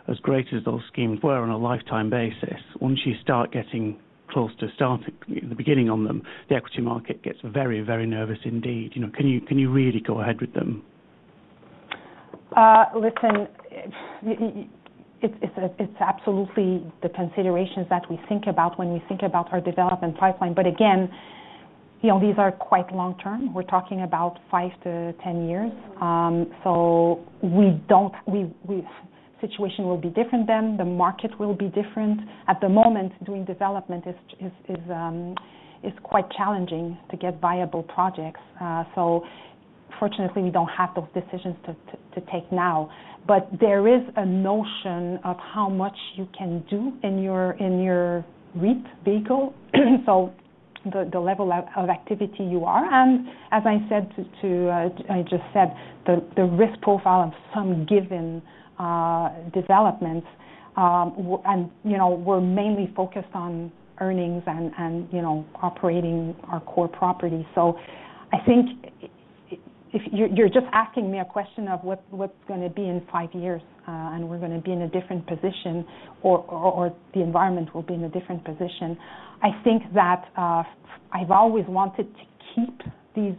As great as those schemes were on a like-for-like basis, once you start getting close to starting the beginning on them, the equity market gets very, very nervous indeed. Can you really go ahead with them? Listen, it's absolutely the considerations that we think about when we think about our development pipeline. But again, these are quite long-term. We're talking about five to 10 years. So the situation will be different then. The market will be different. At the moment, doing development is quite challenging to get viable projects. So fortunately, we don't have those decisions to take now. But there is a notion of how much you can do in your REIT vehicle, so the level of activity you are. And as I said, the risk profile of some given developments, and we're mainly focused on earnings and operating our core property. So I think if you're just asking me a question of what's going to be in five years and we're going to be in a different position or the environment will be in a different position, I think that I've always wanted to keep these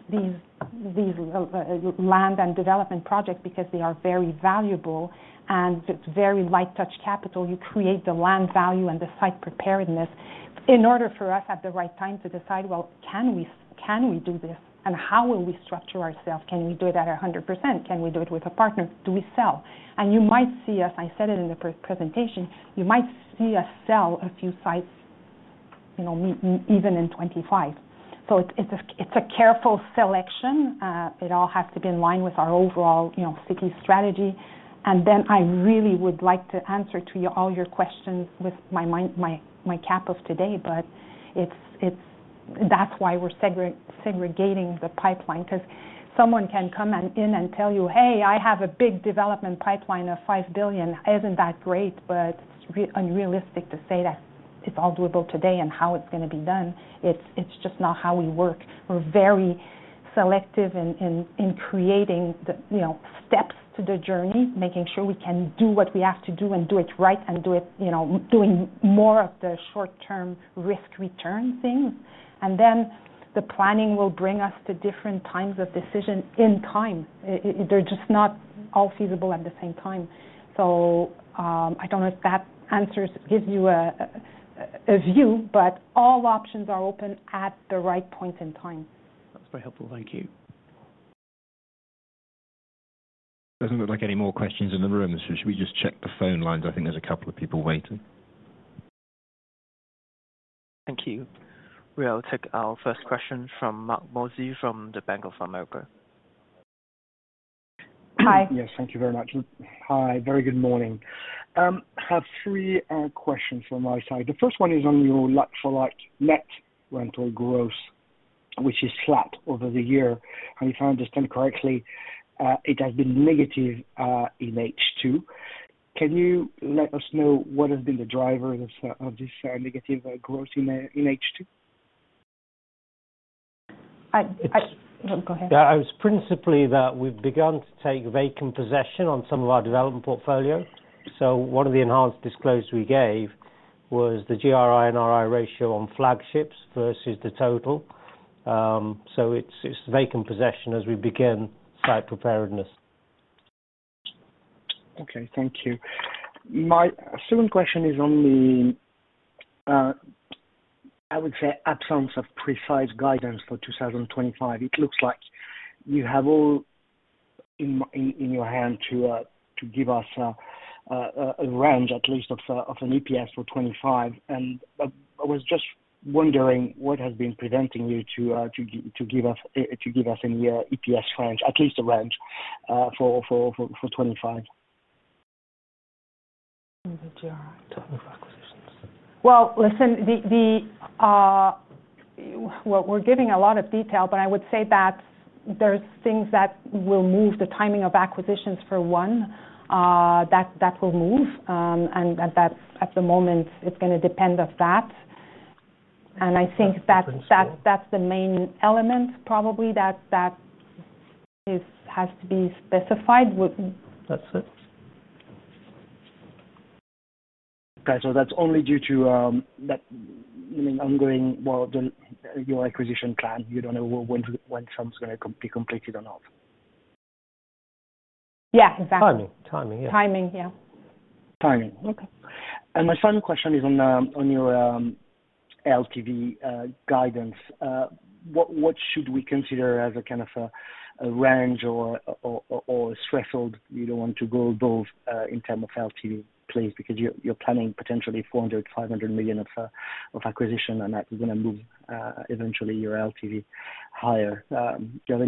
land and development projects because they are very valuable and it's very light touch capital. You create the land value and the site preparedness in order for us at the right time to decide, well, can we do this and how will we structure ourselves? Can we do it at 100%? Can we do it with a partner? Do we sell? And you might see, as I said it in the presentation, you might see us sell a few sites even in 2025. It's a careful selection. It all has to be in line with our overall city strategy. And then I really would like to answer to all your questions with my cap of today, but that's why we're segregating the pipeline because someone can come in and tell you, "Hey, I have a big development pipeline of five billion. Isn't that great?" But it's unrealistic to say that it's all doable today and how it's going to be done. It's just not how we work. We're very selective in creating the steps to the journey, making sure we can do what we have to do and do it right and doing more of the short-term risk-return things. And then the planning will bring us to different times of decision in time. They're just not all feasible at the same time. So I don't know if that answers gives you a view, but all options are open at the right point in time. That's very helpful. Thank you. Doesn't look like any more questions in the room. So should we just check the phone lines? I think there's a couple of people waiting. Thank you. We'll take our first question from Marc Mozzi from the Bank of America. Hi. Yes, thank you very much. Hi. Very good morning. I have three questions from my side. The first one is on your like-for-like net rental gross, which is flat over the year. And if I understand correctly, it has been negative in H2. Can you let us know what has been the driver of this negative gross in H2? Go ahead. Yeah. It was principally that we've begun to take vacant possession on some of our development portfolio, so one of the enhanced disclosures we gave was the GRI and RI ratio on flagships versus the total, so it's vacant possession as we begin site preparedness. Okay. Thank you. My second question is on the, I would say, absence of precise guidance for 2025. It looks like you have all in your hand to give us a range, at least, of an EPS for 25. And I was just wondering what has been preventing you to give us any EPS range, at least a range for 25? GRI, total acquisitions. Well, listen, we're giving a lot of detail, but I would say that there's things that will move the timing of acquisitions for one. That will move. And at the moment, it's going to depend on that. And I think that's the main element probably that has to be specified. That's it. Okay. So that's only due to, I mean, ongoing, well, your acquisition plan. You don't know when some is going to be completed or not. Yeah, exactly. Timing. Timing. Yeah. Timing. Yeah. Timing. Okay. My final question is on your LTV guidance. What should we consider as a kind of a range or a threshold? You don't want to go above in terms of LTV, please, because you're planning potentially 400-500 million of acquisition, and that's going to move eventually your LTV higher. Do you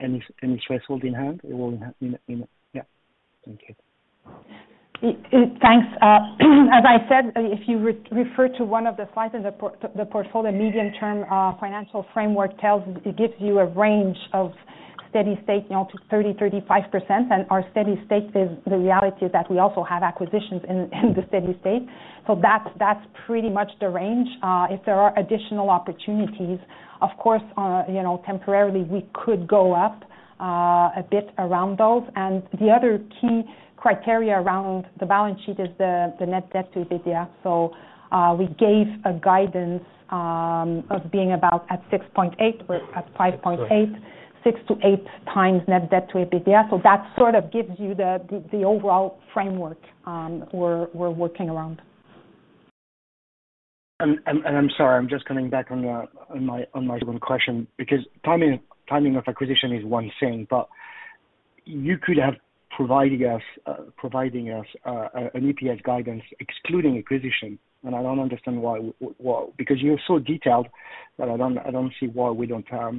have any threshold in hand? Yeah. Thank you. Thanks. As I said, if you refer to one of the slides in the portfolio, medium-term financial framework gives you a range of steady state to 30-35%. And our steady state is the reality is that we also have acquisitions in the steady state. So that's pretty much the range. If there are additional opportunities, of course, temporarily, we could go up a bit around those. And the other key criteria around the balance sheet is the net debt to EBITDA. We gave a guidance of being about at 6.8. We're at 5.8, 6-8 times net debt to EBITDA. That sort of gives you the overall framework we're working around. I'm sorry. I'm just coming back on my second question because timing of acquisition is one thing, but you could have provided us an EPS guidance excluding acquisition. I don't understand why because you're so detailed that I don't see why we don't have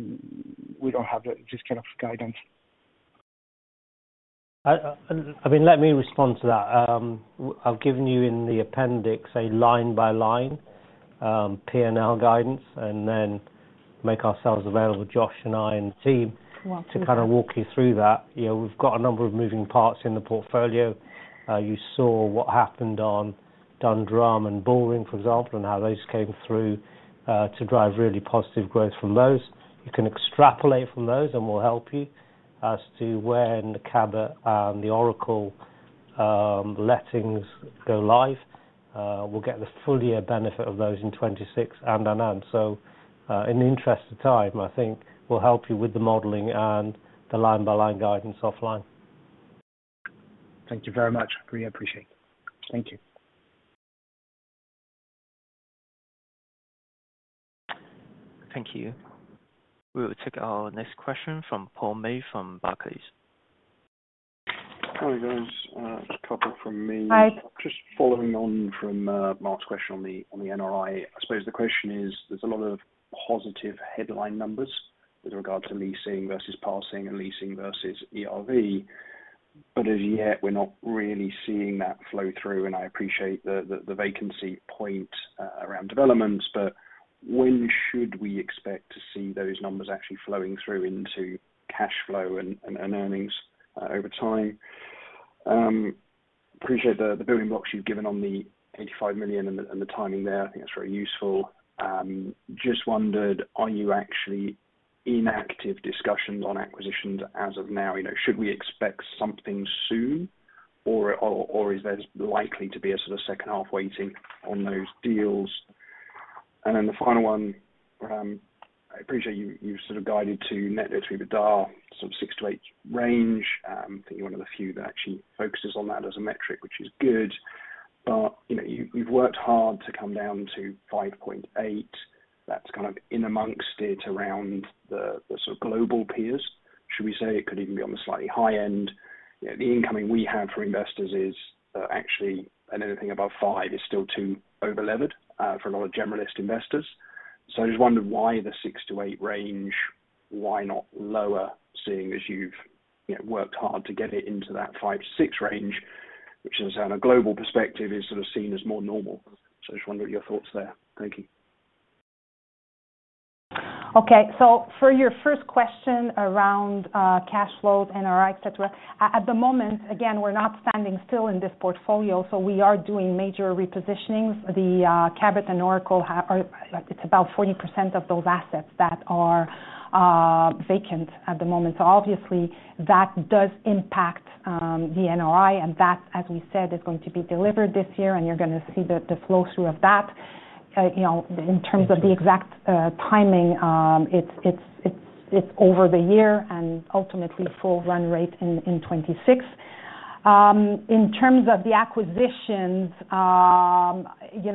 this kind of guidance. I mean, let me respond to that. I've given you in the appendix a line-by-line P&L guidance, and then make ourselves available, Josh and I and the team, to kind of walk you through that. We've got a number of moving parts in the portfolio. You saw what happened on Dundrum and Bullring, for example, and how those came through to drive really positive growth from those. You can extrapolate from those, and we'll help you as to when the Cabot and the Oracle lettings go live. We'll get the full year benefit of those in 2026 and onwards. So in the interest of time, I think we'll help you with the modeling and the line-by-line guidance offline. Thank you very much. I really appreciate it. Thank you. Thank you. We will take our next question from Paul May from Barclays. Hi, guys. Just a couple from me. Hi. Just following on from Marc's question on the NRI, I suppose the question is there's a lot of positive headline numbers with regard to leasing versus passing and leasing versus ERV, but as yet, we're not really seeing that flow through. I appreciate the vacancy point around developments, but when should we expect to see those numbers actually flowing through into cash flow and earnings over time? Appreciate the building blocks you've given on the 85 million and the timing there. I think that's very useful. Just wondered, are you actually in active discussions on acquisitions as of now? Should we expect something soon, or is there likely to be a sort of second half waiting on those deals? And then the final one, I appreciate you've sort of guided to net debt to EBITDA, sort of 6-8 range. I think you're one of the few that actually focuses on that as a metric, which is good. But you've worked hard to come down to 5.8. That's kind of in amongst it around the sort of global peers. Should we say it could even be on the slightly high end? The inkling we have for investors is actually anything above 5 is still too overlevered for a lot of generalist investors. So I just wondered why the 6 to 8 range, why not lower, seeing as you've worked hard to get it into that 5 to 6 range, which on a global perspective is sort of seen as more normal. So I just wondered your thoughts there. Thank you. Okay. So for your first question around cash flows, NRI, etc., at the moment, again, we're not standing still in this portfolio. So we are doing major repositionings. The Cabot and Oracle, it's about 40% of those assets that are vacant at the moment. So obviously, that does impact the NRI, and that, as we said, is going to be delivered this year, and you're going to see the flow through of that. In terms of the exact timing, it's over the year and ultimately full run rate in 2026. In terms of the acquisitions, listen,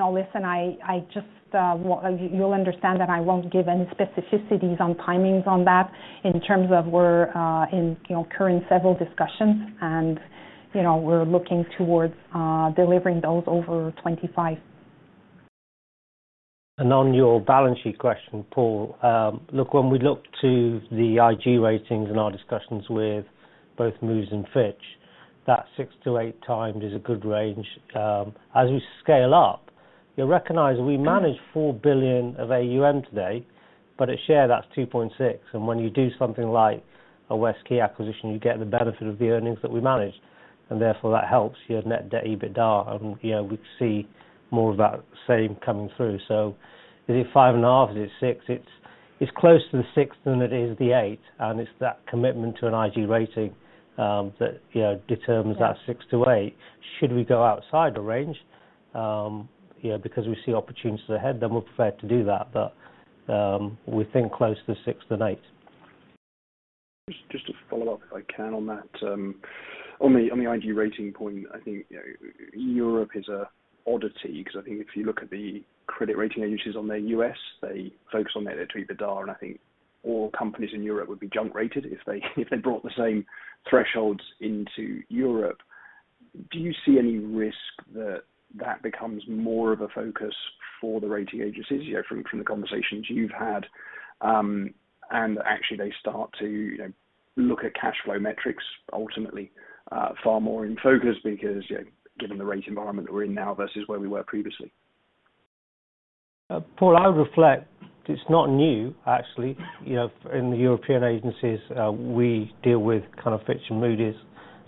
you'll understand that I won't give any specificities on timings on that. In terms of we're currently in several discussions, and we're looking towards delivering those over 2025. And on your balance sheet question, Paul, look, when we look to the IG ratings and our discussions with both Moody's and Fitch, that 6-8 times is a good range. As we scale up, you recognize we manage 4 billion of AUM today, but at share, that's 2.6. And when you do something like a Westquay acquisition, you get the benefit of the earnings that we managed. And therefore, that helps your net debt EBITDA, and we see more of that same coming through. So is it five and a half? Is it six? It's close to the six than it is the eight. And it's that commitment to an IG rating that determines that six to eight. Should we go outside the range? Because we see opportunities ahead, then we're prepared to do that. But we think close to six than eight. Just to follow up if I can on that. On the IG rating point, I think Europe is an oddity because I think if you look at the credit rating agencies on the U.S., they focus on net debt to EBITDA, and I think all companies in Europe would be junk rated if they brought the same thresholds into Europe. Do you see any risk that that becomes more of a focus for the rating agencies from the conversations you've had, and actually, they start to look at cash flow metrics ultimately far more in focus because given the rate environment that we're in now versus where we were previously? Paul, I'll reflect. It's not new, actually. In the European agencies, we deal with kind of Fitch and Moody's.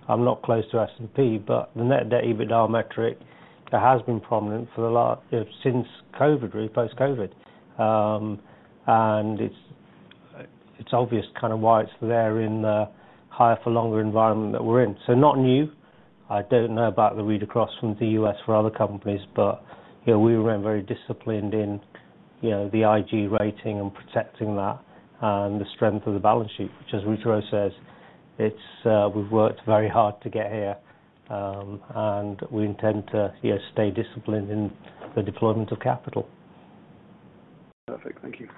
I'm not close to S&P, but the net debt EBITDA metric, it has been prominent since COVID, really post-COVID, and it's obvious kind of why it's there in the higher-for-longer environment that we're in. So not new. I don't know about the read across from the US for other companies, but we remain very disciplined in the IG rating and protecting that and the strength of the balance sheet, which, as Rita-Rose says, we've worked very hard to get here. And we intend to stay disciplined in the deployment of capital. Perfect. Thank you.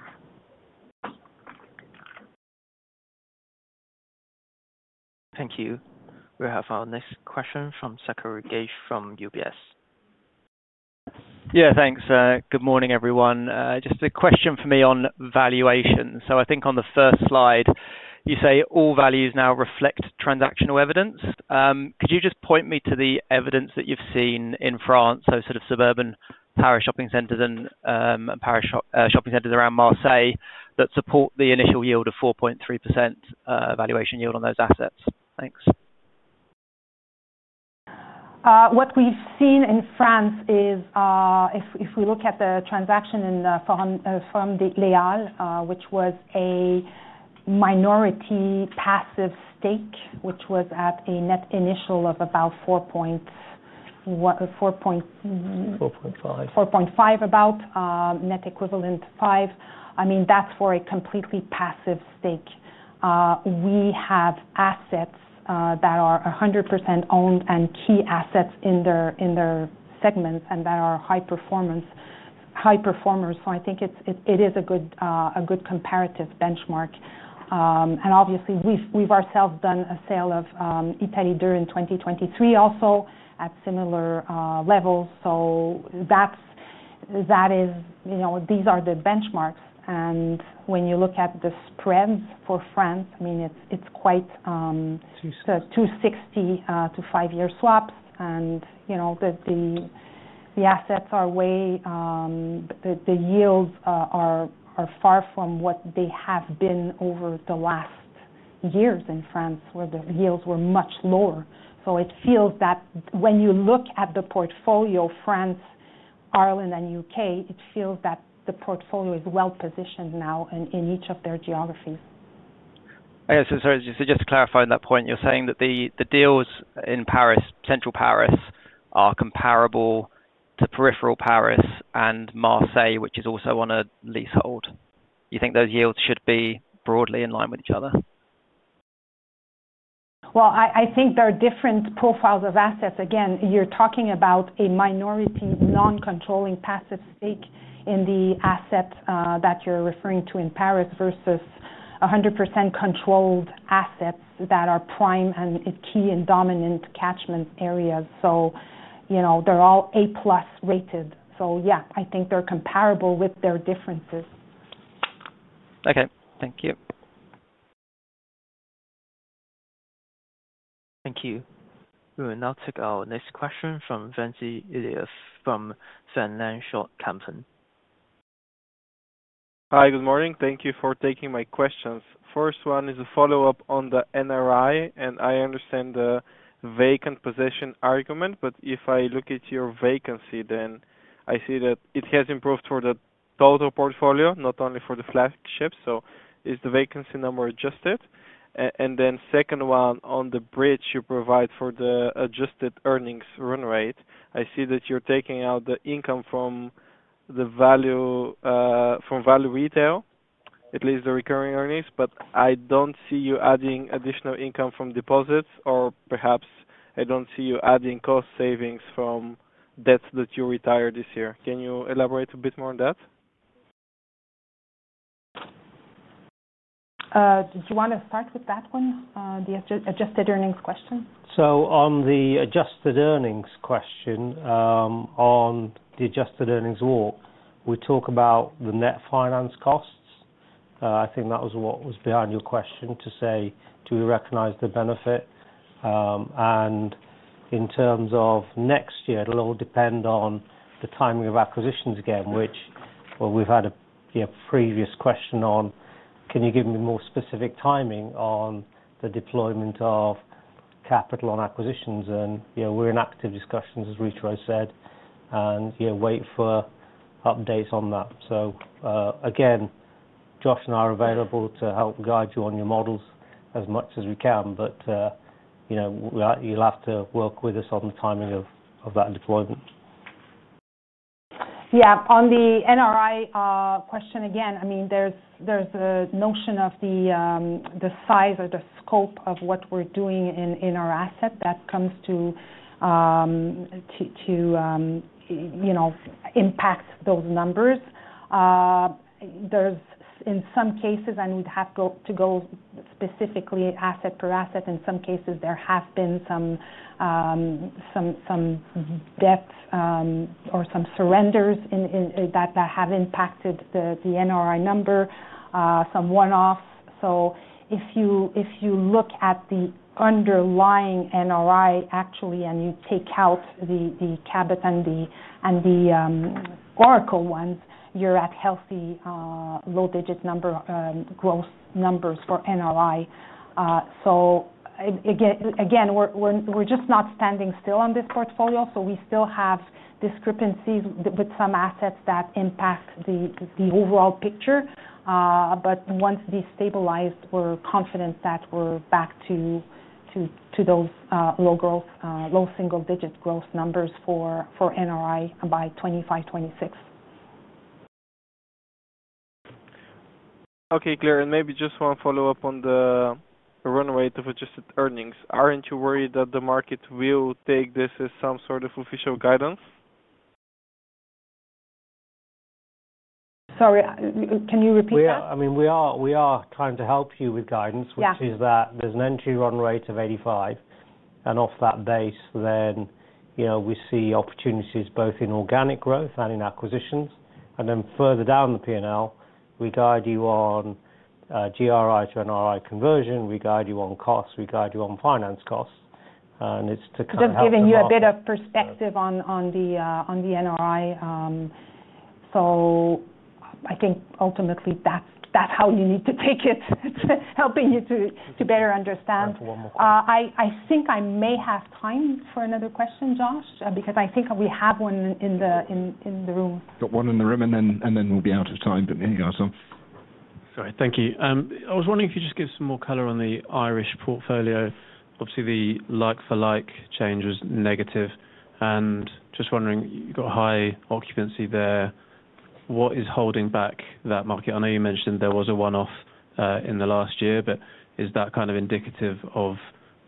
Thank you. We have our next question from Zachary Gauge from UBS. Yeah, thanks. Good morning, everyone. Just a question for me on valuation. So I think on the first slide, you say all values now reflect transactional evidence. Could you just point me to the evidence that you've seen in France, those sort of suburban peripheral shopping centers and peripheral shopping centers around Marseille that support the initial yield of 4.3% valuation yield on those assets? Thanks. What we've seen in France is, if we look at the transaction in Forum des Halles, which was a minority passive stake, which was at a net initial of about 4.5%. Net equivalent 5%. I mean, that's for a completely passive stake. We have assets that are 100% owned and key assets in their segments and that are high performers. So I think it is a good comparative benchmark. And obviously, we've ourselves done a sale of Italie Deux in 2023 also at similar levels. So these are the benchmarks. And when you look at the spreads for France, I mean, it's quite 260 to five-year swaps. And the assets are way the yields are far from what they have been over the last years in France, where the yields were much lower. So it feels that when you look at the portfolio, France, Ireland, and U.K., it feels that the portfolio is well positioned now in each of their geographies. Sorry, just to clarify on that point, you're saying that the deals in Paris, central Paris, are comparable to peripheral Paris and Marseille, which is also on a leasehold. You think those yields should be broadly in line with each other? Well, I think there are different profiles of assets. Again, you're talking about a minority non-controlling passive stake in the asset that you're referring to in Paris versus 100% controlled assets that are prime and key and dominant catchment areas. So they're all A-plus rated. So yeah, I think they're comparable with their differences. Okay. Thank you. Thank you. We will now take our next question from Vincent Ilias from Van Lanschot Kempen. Hi, good morning. Thank you for taking my questions. First one is a follow-up on the NRI, and I understand the vacant position argument, but if I look at your vacancy, then I see that it has improved for the total portfolio, not only for the flagship. So is the vacancy number adjusted? And then second one on the bridge you provide for the adjusted earnings run rate. I see that you're taking out the income from Value Retail, at least the recurring earnings, but I don't see you adding additional income from deposits, or perhaps I don't see you adding cost savings from debts that you retired this year. Can you elaborate a bit more on that? Did you want to start with that one, the adjusted earnings question? So on the adjusted earnings question, on the adjusted earnings walk, we talk about the net finance costs. I think that was what was behind your question to say, do we recognize the benefit? And in terms of next year, it'll all depend on the timing of acquisitions again, which we've had a previous question on. Can you give me more specific timing on the deployment of capital on acquisitions? And we're in active discussions, as Rita-Rose said, and wait for updates on that. So again, Josh and I are available to help guide you on your models as much as we can, but you'll have to work with us on the timing of that deployment. Yeah. On the NRI question again, I mean, there's a notion of the size or the scope of what we're doing in our asset that comes to impact those numbers. In some cases, and we'd have to go specifically asset per asset, in some cases, there have been some debts or some surrenders that have impacted the NRI number, some one-offs. So if you look at the underlying NRI, actually, and you take out the Cabot and the Oracle ones, you're at healthy low-digit gross numbers for NRI. So again, we're just not standing still on this portfolio. So we still have discrepancies with some assets that impact the overall picture. But once these stabilize, we're confident that we're back to those low single-digit gross numbers for NRI by 2025, 2026. Okay clear, and maybe just one follow-up on the run rate of adjusted earnings. Aren't you worried that the market will take this as some sort of official guidance? Sorry, can you repeat that? I mean, we are trying to help you with guidance, which is that there's an entry run rate of 85. And off that base, then we see opportunities both in organic growth and in acquisitions. And then further down the P&L, we guide you on GRI to NRI conversion. We guide you on costs. We guide you on finance costs. And it's to kind of just giving you a bit of perspective on the NRI. So I think ultimately, that's how you need to take it, helping you to better understand. I think I may have time for another question, Josh, because I think we have one in the room. Got one in the room, and then we'll be out of time, but there you are, sir. Sorry. Thank you. I was wondering if you could just give some more color on the Irish portfolio. Obviously, the like-for-like change was negative. And just wondering, you've got high occupancy there. What is holding back that market? I know you mentioned there was a one-off in the last year, but is that kind of indicative of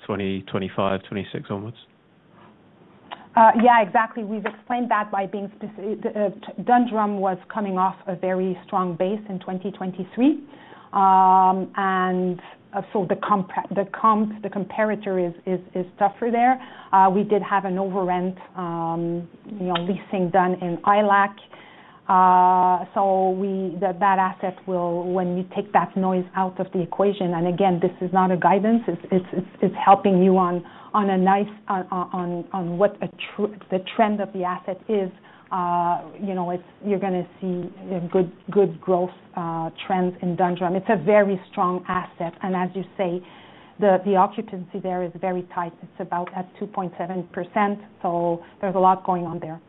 2025, 2026 onwards? Yeah, exactly. We've explained that the Dundrum was coming off a very strong base in 2023. And so the comparator is tougher there. We did have an over-rent leasing done in ILAC. So that asset, when you take that noise out of the equation, and again, this is not a guidance. It's helping you on what the trend of the asset is. You're going to see good growth trends in Dundrum. It's a very strong asset. And as you say, the occupancy there is very tight. It's about at 2.7%. So there's a lot going on there.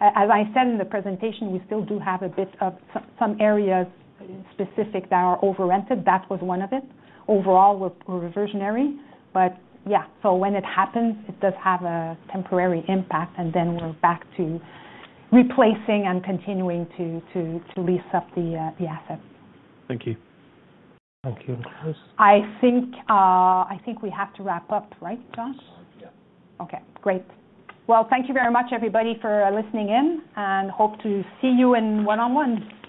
As I said in the presentation, we still do have a bit of some areas specific that are over-rented. That was one of it. Overall, we're revisionary. But yeah, so when it happens, it does have a temporary impact, and then we're back to replacing and continuing to lease up the asset. Thank you. Thank you. I think we have to wrap up, right, Josh? Yeah. Okay. Great. Well, thank you very much, everybody, for listening in, and hope to see you in one-on-ones.